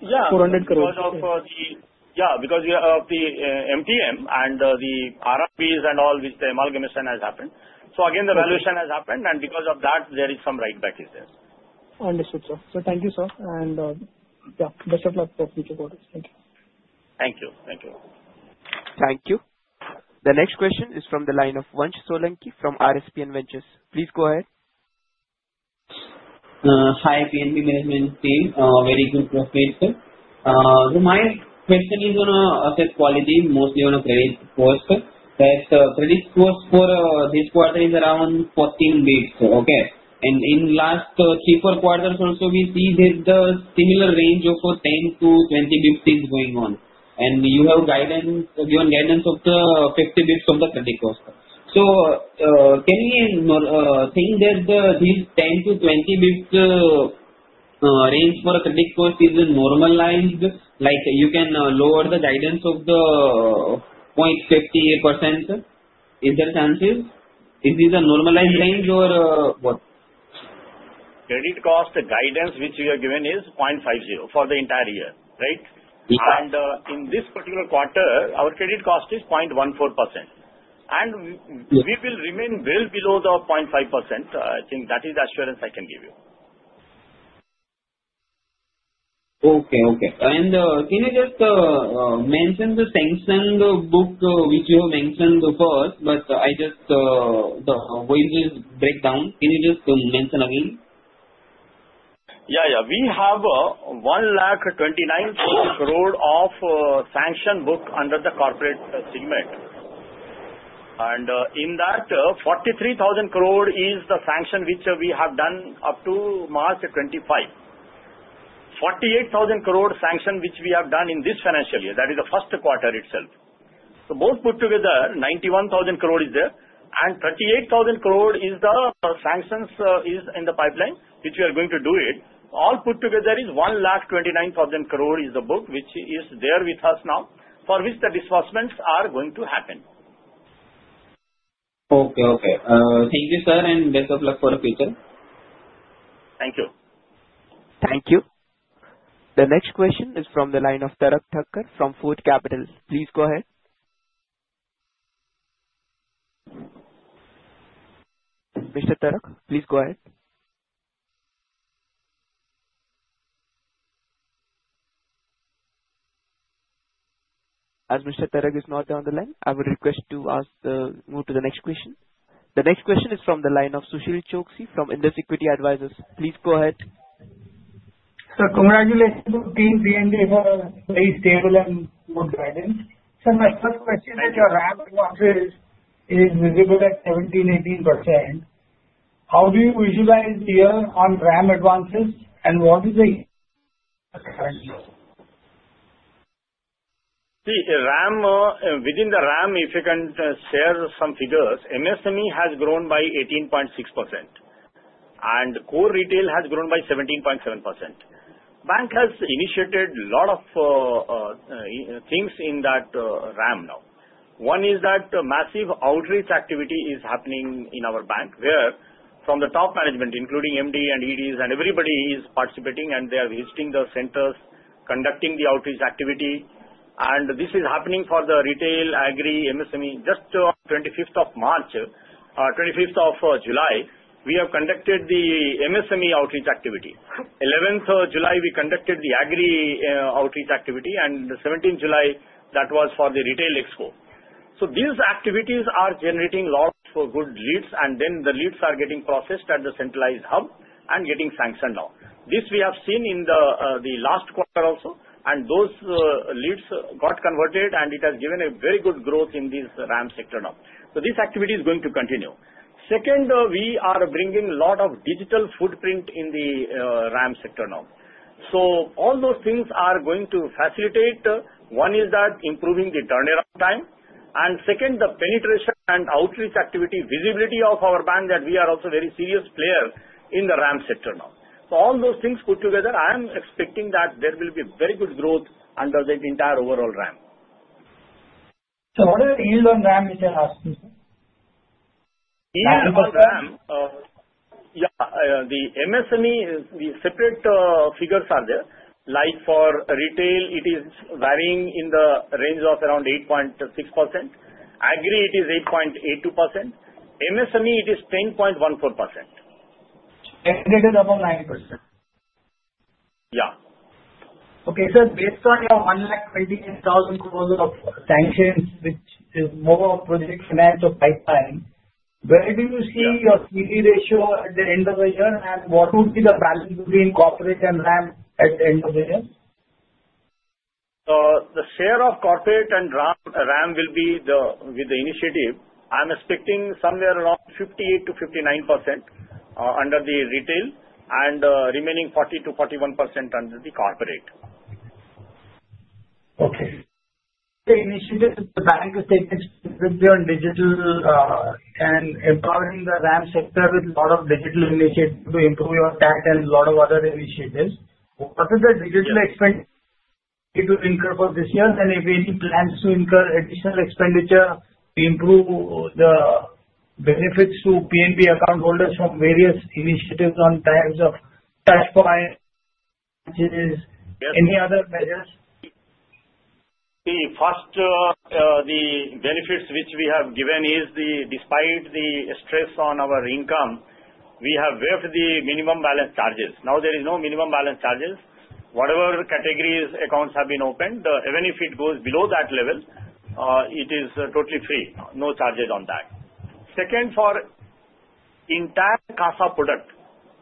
Yeah. 400 crore. Because of the, yeah, because of the MTM and the RRBs and all, which the amalgamation has happened. So again, the valuation has happened. And because of that, there is some write-back is there. Understood, sir. So thank you, sir. And yeah, best of luck for future quarters. Thank you. The next question is from the line of Vansh Solanki from RSPN Ventures. Please go ahead. Hi, PNB Management Team. Very good to speak to. So my question is on asset quality, mostly on credit costs. That credit cost for this quarter is around 14 basis points, okay? In last four quarters also, we see there's a similar range of 10 to 20 basis points is going on. And you have given guidance of the 50 basis points of the credit cost. So can you think that this 10 to 20 basis points range for a credit cost is normalized? Like you can lower the guidance of the 0.50%? Is there chances? Is this a normalized range or what? Credit cost guidance which we are given is 0.50% for the entire year, right? And in this particular quarter, our credit cost is 0.14%. And we will remain well below the 0.5%. I think that is the assurance I can give you. Okay. Okay. And can you just mention the sanctioned book which you have mentioned first? But I just the segment breakdown. Can you just mention again? Yeah. Yeah. We have 129 crore of sanctioned book under the corporate segment. And in that, 43,000 crore is the sanction which we have done up to March 25. 48,000 crore sanction which we have done in this financial year. That is the first quarter itself. So both put together, 91,000 crore is there. And 38,000 crore is the sanctions is in the pipeline which we are going to do it. All put together is 129,000 crore is the book which is there with us now for which the disbursements are going to happen. Okay. Okay. Thank you, sir. And best of luck for the future. Thank you. Thank you. The next question is from the line of Tarak Thakkar from Fort Capital. Please go ahead. Mr. Tarak, please go ahead. As Mr. Tarak is not on the line, I will request to move to the next question. The next question is from the line of Sushil Choksey from Indus Equity Advisors. Please go ahead. Sir, congratulations on Team PNB for very stable and good guidance. Sir, my first question is your RAM advances is visible at 17-18%. How do you visualize here on RAM advances and what is the current rate? See, within the RAM, if you can share some figures, MSME has grown by 18.6%. And core retail has grown by 17.7%. Bank has initiated a lot of things in that RAM now. One is that massive outreach activity is happening in our bank where from the top management, including MD and EDs and everybody is participating and they are visiting the centers, conducting the outreach activity. And this is happening for the retail, agri, MSME. Just on 25th of March, 25th of July, we have conducted the MSME outreach activity. 11th of July, we conducted the agri outreach activity. And 17th July, that was for the retail expo. So these activities are generating a lot of good leads. And then the leads are getting processed at the centralized hub and getting sanctioned now. This we have seen in the last quarter also. And those leads got converted. And it has given a very good growth in this RAM sector now. So this activity is going to continue. Second, we are bringing a lot of digital footprint in the RAM sector now. So all those things are going to facilitate. One is that improving the turnaround time. And second, the penetration and outreach activity, visibility of our bank that we are also a very serious player in the RAM sector now. So all those things put together, I am expecting that there will be very good growth under the entire overall RAM. So what are the yield on RAM, which I'm asking, sir? Yield on RAM? Yeah. The MSME, the separate figures are there. Like for retail, it is varying in the range of around 8.6%. Agri, it is 8.82%. MSME, it is 10.14%. And it is above 90%. Yeah. Okay. Sir, based on your 129,000 crore of sanctions, which is more of project demand to pipeline, where do you see your CD ratio at the end of the year? And what would be the balance between corporate and RAM at the end of the year? The share of corporate and RAM will be with the initiative. I'm expecting somewhere around 58%-59% under the retail and remaining 40%-41% under the corporate. Okay. The initiative is the bank is taking specifically on digital and empowering the RAM sector with a lot of digital initiatives to improve your tax and a lot of other initiatives. What is the digital expenditure to incur for this year? And if any plans to incur additional expenditure to improve the benefits to PNB account holders from various initiatives on types of touchpoints, any other measures? See, first, the benefits which we have given is despite the stress on our income, we have waived the minimum balance charges. Now there is no minimum balance charges. Whatever categories accounts have been opened, even if it goes below that level, it is totally free. No charges on that. Second, for entire CASA product,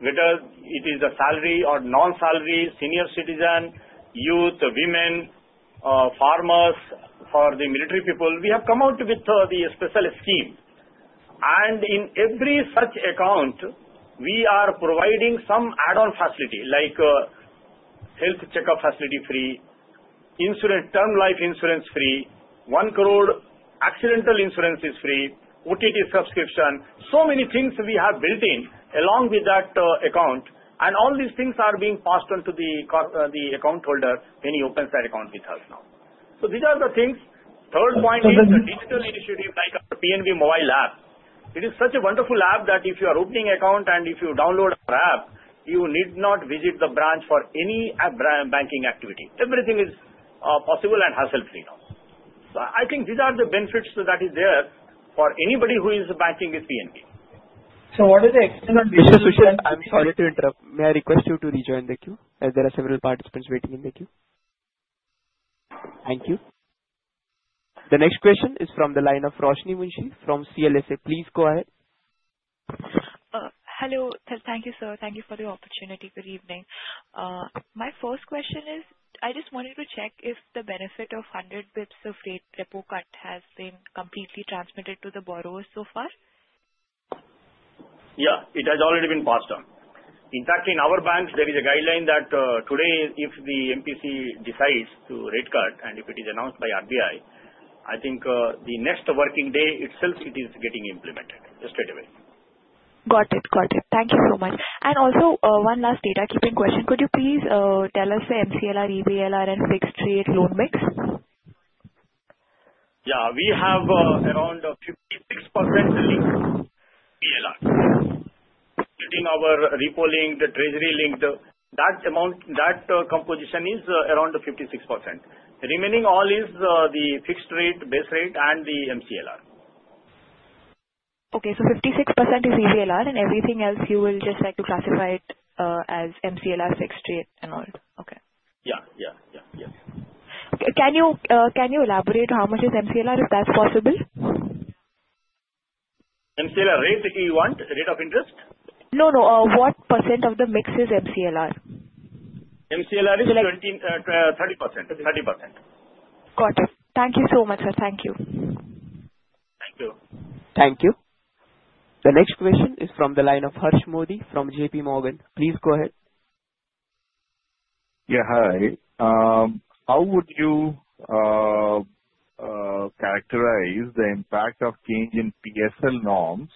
whether it is a salary or non-salary, senior citizen, youth, women, farmers, for the military people, we have come out with the special scheme. And in every such account, we are providing some add-on facility like health checkup facility free, insurance, term life insurance free, one crore accidental insurance is free, OTT subscription. So many things we have built in along with that account. And all these things are being passed on to the account holder when he opens that account with us now. So these are the things. Third point is the digital initiative like our PNB mobile app. It is such a wonderful app that if you are opening an account and if you download our app, you need not visit the branch for any banking activity. Everything is possible and hassle-free now. So I think these are the benefits that are there for anybody who is banking with PNB. So what is the external initiative? I'm sorry to interrupt. May I request you to rejoin the queue? There are several participants waiting in the queue. Thank you. The next question is from the line of Roshni Munshi from CLSA. Please go ahead. Hello. Thank you, sir. Thank you for the opportunity. Good evening. My first question is, I just wanted to check if the benefit of 100 basis points of repo rate cut has been completely transmitted to the borrowers so far? Yeah. It has already been passed on. In fact, in our bank, there is a guideline that today, if the MPC decides to rate cut and if it is announced by RBI, I think the next working day itself, it is getting implemented straight away. Got it. Got it. Thank you so much. And also, one last housekeeping question. Could you please tell us the MCLR, EBLR, and fixed-rate loan mix? Yeah. We have around 56% linked EBLR. Putting our repo linked, treasury linked, that composition is around 56%. Remaining all is the fixed-rate, Base Rate, and the MCLR. Okay. So 56% is EBLR. And everything else, you will just like to classify it as MCLR, fixed-rate, and all. Okay. Yeah. Yeah. Yeah. Yes. Can you elaborate how much is MCLR if that's possible? MCLR, rate if you want, rate of interest? No, no. What percent of the mix is MCLR? MCLR is 30%. 30%. Got it. Thank you so much, sir. Thank you. Thank you. Thank you. The next question is from the line of Harsh Modi from J.P. Morgan. Please go ahead. Yeah. Hi. How would you characterize the impact of change in PSL norms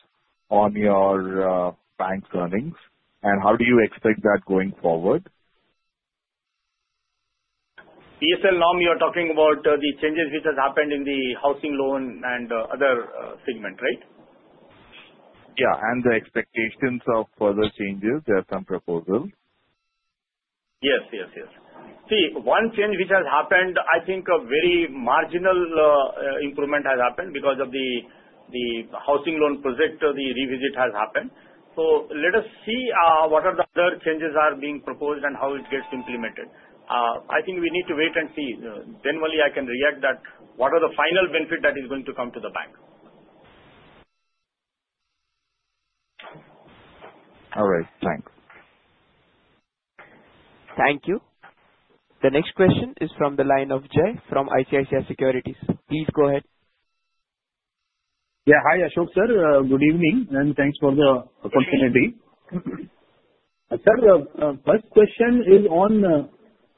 on your bank's earnings? And how do you expect that going forward? PSL norm, you are talking about the changes which have happened in the housing loan and other segment, right? Yeah. And the expectations of further changes. There are some proposals. Yes. Yes. Yes. See, one change which has happened. I think a very marginal improvement has happened because of the housing loan project, the revisit has happened. So let us see what other changes are being proposed and how it gets implemented. I think we need to wait and see. Generally, I can react that what are the final benefits that are going to come to the bank. All right. Thanks. Thank you. The next question is from the line of Jai from ICICI Securities. Please go ahead. Yeah. Hi, Ashok sir. Good evening. And thanks for the opportunity. Sir, first question is on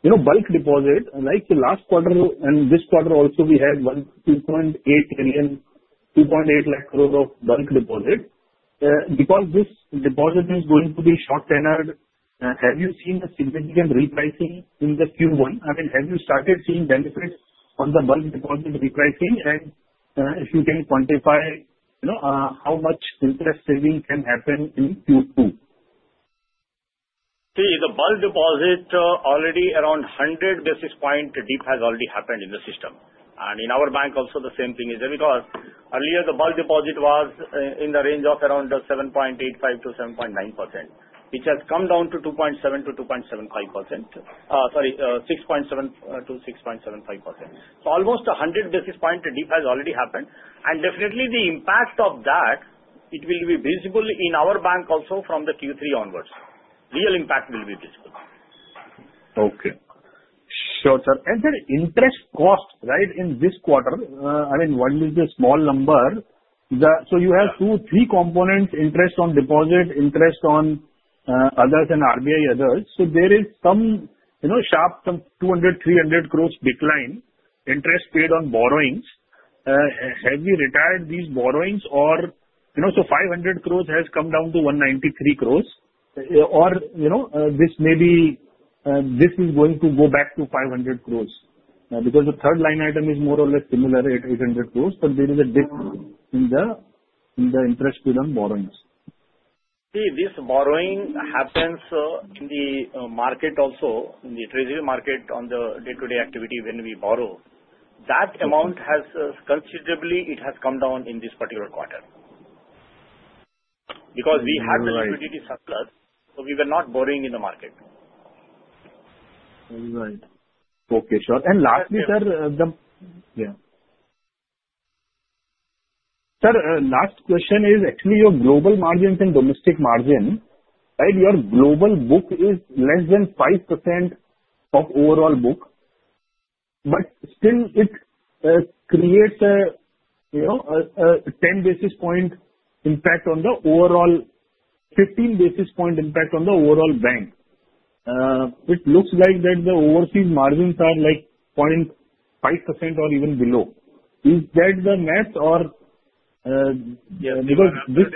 bulk deposit. Like last quarter and this quarter also, we had 2.8 lakh crore of bulk deposit. Because this deposit is going to be short-tenured, have you seen the significant repricing in the Q1? I mean, have you started seeing benefits on the bulk deposit repricing? And if you can quantify how much interest saving can happen in Q2? See, the bulk deposit already around 100 basis point dip has already happened in the system, and in our bank also, the same thing is there. Because earlier, the bulk deposit was in the range of around 7.85%-7.9%, which has come down to 2.7%-2.75%. Sorry, 6.7%-6.75%. So almost 100 basis point dip has already happened. And definitely, the impact of that, it will be visible in our bank also from the Q3 onwards. Real impact will be visible. Okay. Sure, sir, and then interest cost, right, in this quarter, I mean, one is a small number. So you have two, three components: interest on deposit, interest on others, and RBI others. So there is some sharp 200-300 crore decline. Interest paid on borrowings. Have we retired these borrowings? Or so 500 crore has come down to 193 crore. Or this maybe this is going to go back to 500 crore. Because the third line item is more or less similar at 800 crore. But there is a dip in the interest paid on borrowings. See, this borrowing happens in the market also, in the treasury market on the day-to-day activity when we borrow. That amount has considerably come down in this particular quarter. Because we had the liquidity surplus, so we were not borrowing in the market. Right. Okay. Sure. And lastly, sir, the yeah. Sir, last question is actually your global margins and domestic margin, right? Your global book is less than 5% of overall book. But still, it creates a 10 basis point impact on the overall, 15 basis point impact on the overall bank. It looks like that the overseas margins are like 0.5% or even below. Is that the math or because this?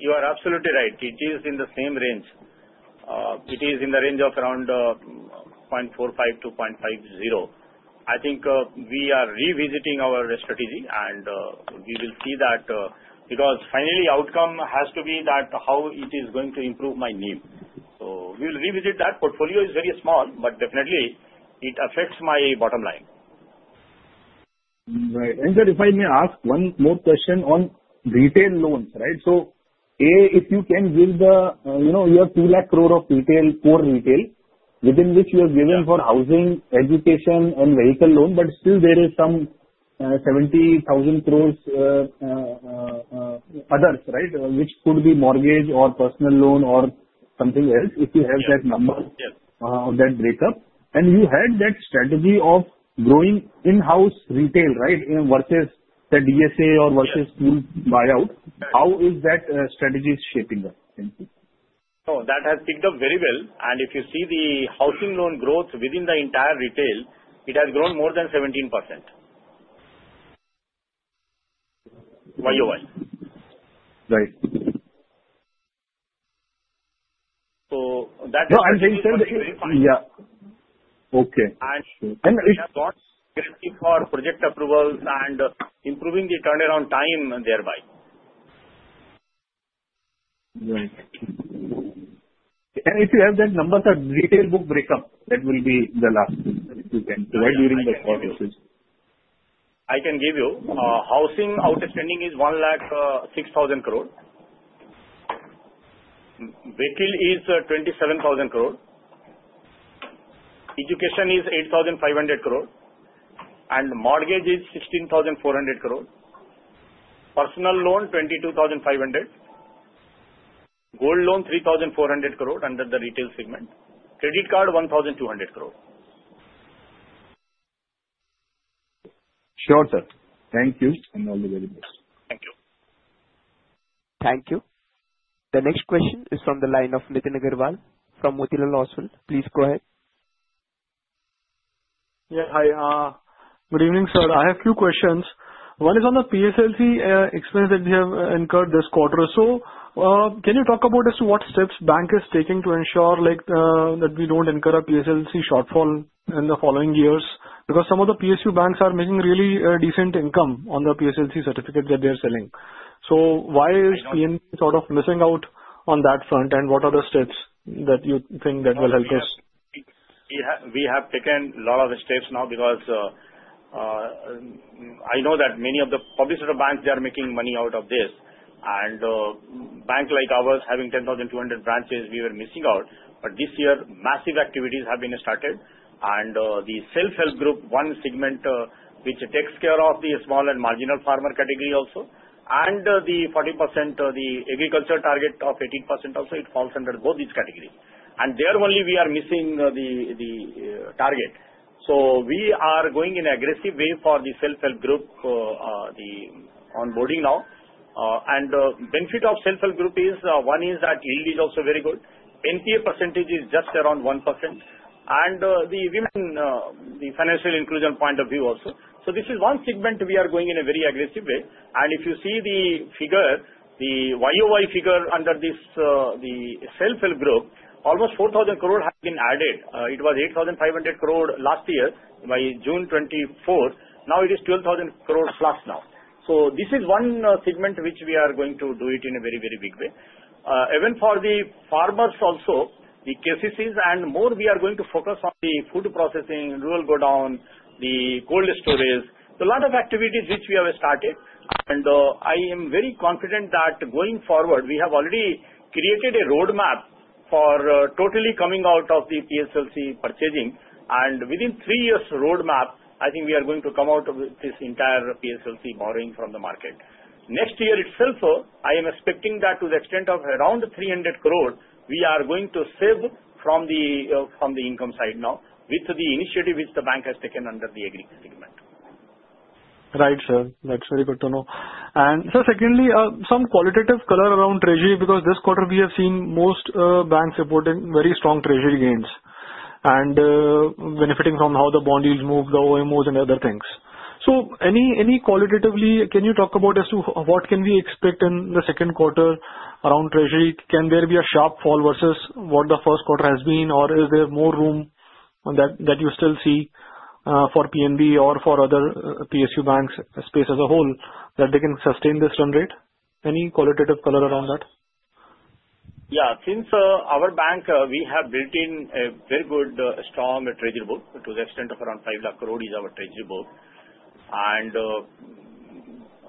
You are absolutely right. It is in the same range. It is in the range of around 0.45%-0.50%. I think we are revisiting our strategy. And we will see that because finally, outcome has to be that how it is going to improve my NIM. So we will revisit that. Portfolio is very small, but definitely, it affects my bottom line. Right. And sir, if I may ask one more question on retail loans, right? So A, if you can give the you have 2 lakh crore of retail, core retail, within which you have given for housing, education, and vehicle loan, but still there is some 70,000 crore others, right, which could be mortgage or personal loan or something else if you have that number of that breakup. And you had that strategy of growing in-house retail, right, versus the DSA or versus full buyout. How is that strategy shaping up? Thank you. No, that has picked up very well. And if you see the housing loan growth within the entire retail, it has grown more than 17% YoY. Right. So that is the yeah. Okay. And it's got for project approvals and improving the turnaround time thereby. Right. And if you have that number, sir, retail book breakup, that will be the last thing that you can provide during the quarters. I can give you. Housing outstanding is 106,000 crore. Vehicle is 27,000 crore. Education is 8,500 crore. And mortgage is 16,400 crore. Personal loan 22,500 crore. Gold loan 3,400 crore under the retail segment. Credit card 1,200 crore. Sure, sir. Thank you. And all the very best. Thank you. Thank you. The next question is from the line of Nitin Aggarwal from Motilal Oswal. Please go ahead. Yeah. Hi. Good evening, sir. I have a few questions. One is on the PSLC expense that we have incurred this quarter, so can you talk about as to what steps bank is taking to ensure that we don't incur a PSLC shortfall in the following years? Because some of the PSU banks are making really decent income on the PSLC certificate that they are selling, so why is PNB sort of missing out on that front, and what are the steps that you think that will help us? We have taken a lot of steps now because I know that many of the public sector banks, they are making money out of this, and bank like ours having 10,200 branches, we were missing out, but this year, massive activities have been started, and the self-help group, one segment which takes care of the small and marginal farmer category also. The 40%, the agriculture target of 18% also, it falls under both these categories. And there only we are missing the target. We are going in an aggressive way for the self-help group, the onboarding now. Benefit of self-help group is one is that yield is also very good. NPA percentage is just around 1%. And the women, the financial inclusion point of view also. This is one segment we are going in a very aggressive way. If you see the figure, the YOY figure under the self-help group, almost 4,000 crore has been added. It was 8,500 crore last year by June 24th. Now it is 12,000 crore plus now. This is one segment which we are going to do it in a very, very big way. Even for the farmers also, the KCCs and more, we are going to focus on the food processing, rural godown, the cold storage, so a lot of activities which we have started, and I am very confident that going forward, we have already created a roadmap for totally coming out of the PSLC purchasing, and within three years' roadmap, I think we are going to come out with this entire PSLC borrowing from the market. Next year itself, I am expecting that to the extent of around 300 crore, we are going to save from the income side now with the initiative which the bank has taken under the RAM segment. Right, sir. That's very good to know. Sir, secondly, some qualitative color around treasury because this quarter we have seen most banks reporting very strong treasury gains and benefiting from how the bond yields moved, the OMOs, and other things. So any qualitatively, can you talk about as to what can we expect in the second quarter around treasury? Can there be a sharp fall versus what the first quarter has been? Or is there more room that you still see for PNB or for other PSU banks space as a whole that they can sustain this run rate? Any qualitative color around that? Yeah. Since our bank, we have built in a very good strong treasury book to the extent of around 5 lakh crore is our treasury book. And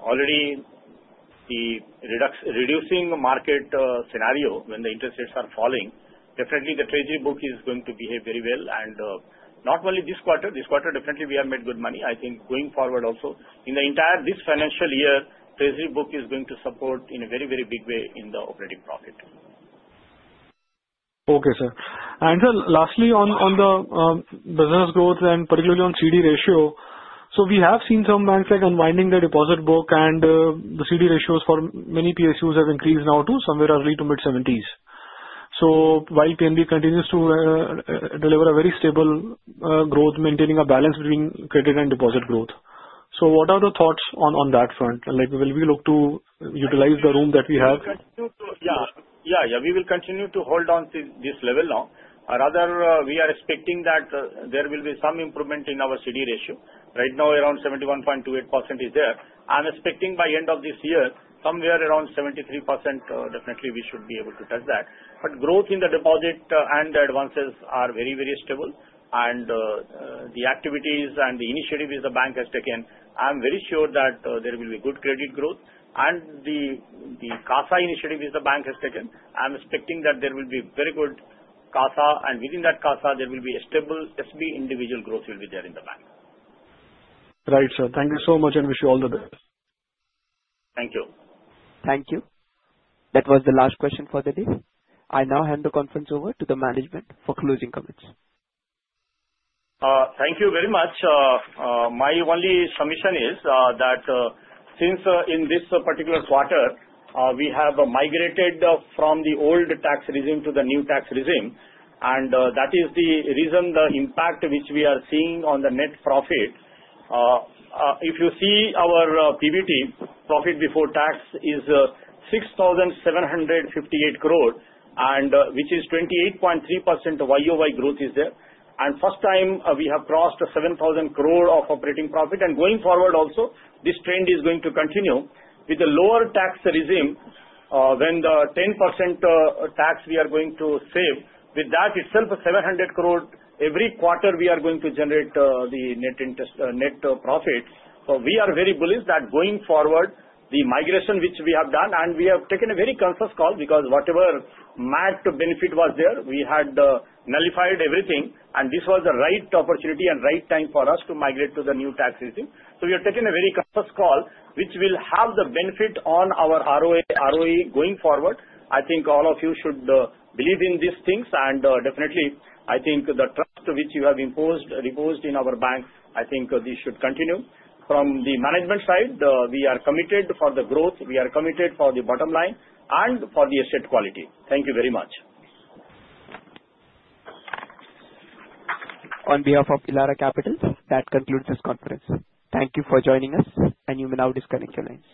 already the reducing market scenario when the interest rates are falling, definitely the treasury book is going to behave very well. And not only this quarter, this quarter definitely we have made good money. I think going forward also, in the entire this financial year, treasury book is going to support in a very, very big way in the operating profit. Okay, sir. And sir, lastly on the business growth and particularly on CD ratio, so we have seen some banks like unwinding their deposit book. And the CD ratios for many PSUs have increased now to somewhere early to mid-70s%. So while PNB continues to deliver a very stable growth, maintaining a balance between credit and deposit growth. So what are the thoughts on that front? And will we look to utilize the room that we have? Yeah. Yeah. Yeah. We will continue to hold on to this level now. Rather, we are expecting that there will be some improvement in our CD ratio. Right now, around 71.28% is there. I'm expecting by end of this year, somewhere around 73%; definitely we should be able to touch that. But growth in the deposit and the advances are very, very stable. And the activities and the initiatives the bank has taken, I'm very sure that there will be good credit growth. And the CASA initiative which the bank has taken, I'm expecting that there will be very good CASA. And within that CASA, there will be stable SB individual growth will be there in the bank. Right, sir. Thank you so much and wish you all the best. Thank you. Thank you. That was the last question for the day. I now hand the conference over to the management for closing comments. Thank you very much. My only submission is that since in this particular quarter, we have migrated from the old tax regime to the new tax regime. That is the reason the impact which we are seeing on the net profit. If you see our PBT profit before tax is 6,758 crore, which is 28.3% YoY growth is there. First time, we have crossed 7,000 crore of operating profit. Going forward also, this trend is going to continue with the lower tax regime when the 10% tax we are going to save. With that itself, 700 crore every quarter, we are going to generate the net profit. We are very bullish that going forward, the migration which we have done, and we have taken a very conscious call because whatever MAT benefit was there, we had nullified everything. This was the right opportunity and right time for us to migrate to the new tax regime. So we have taken a very conscious call which will have the benefit on our ROE going forward. I think all of you should believe in these things. And definitely, I think the trust which you have imposed in our bank, I think this should continue. From the management side, we are committed for the growth. We are committed for the bottom line and for the asset quality. Thank you very much. On behalf of Elara Capital, that concludes this conference. Thank you for joining us. And you may now disconnect your lines.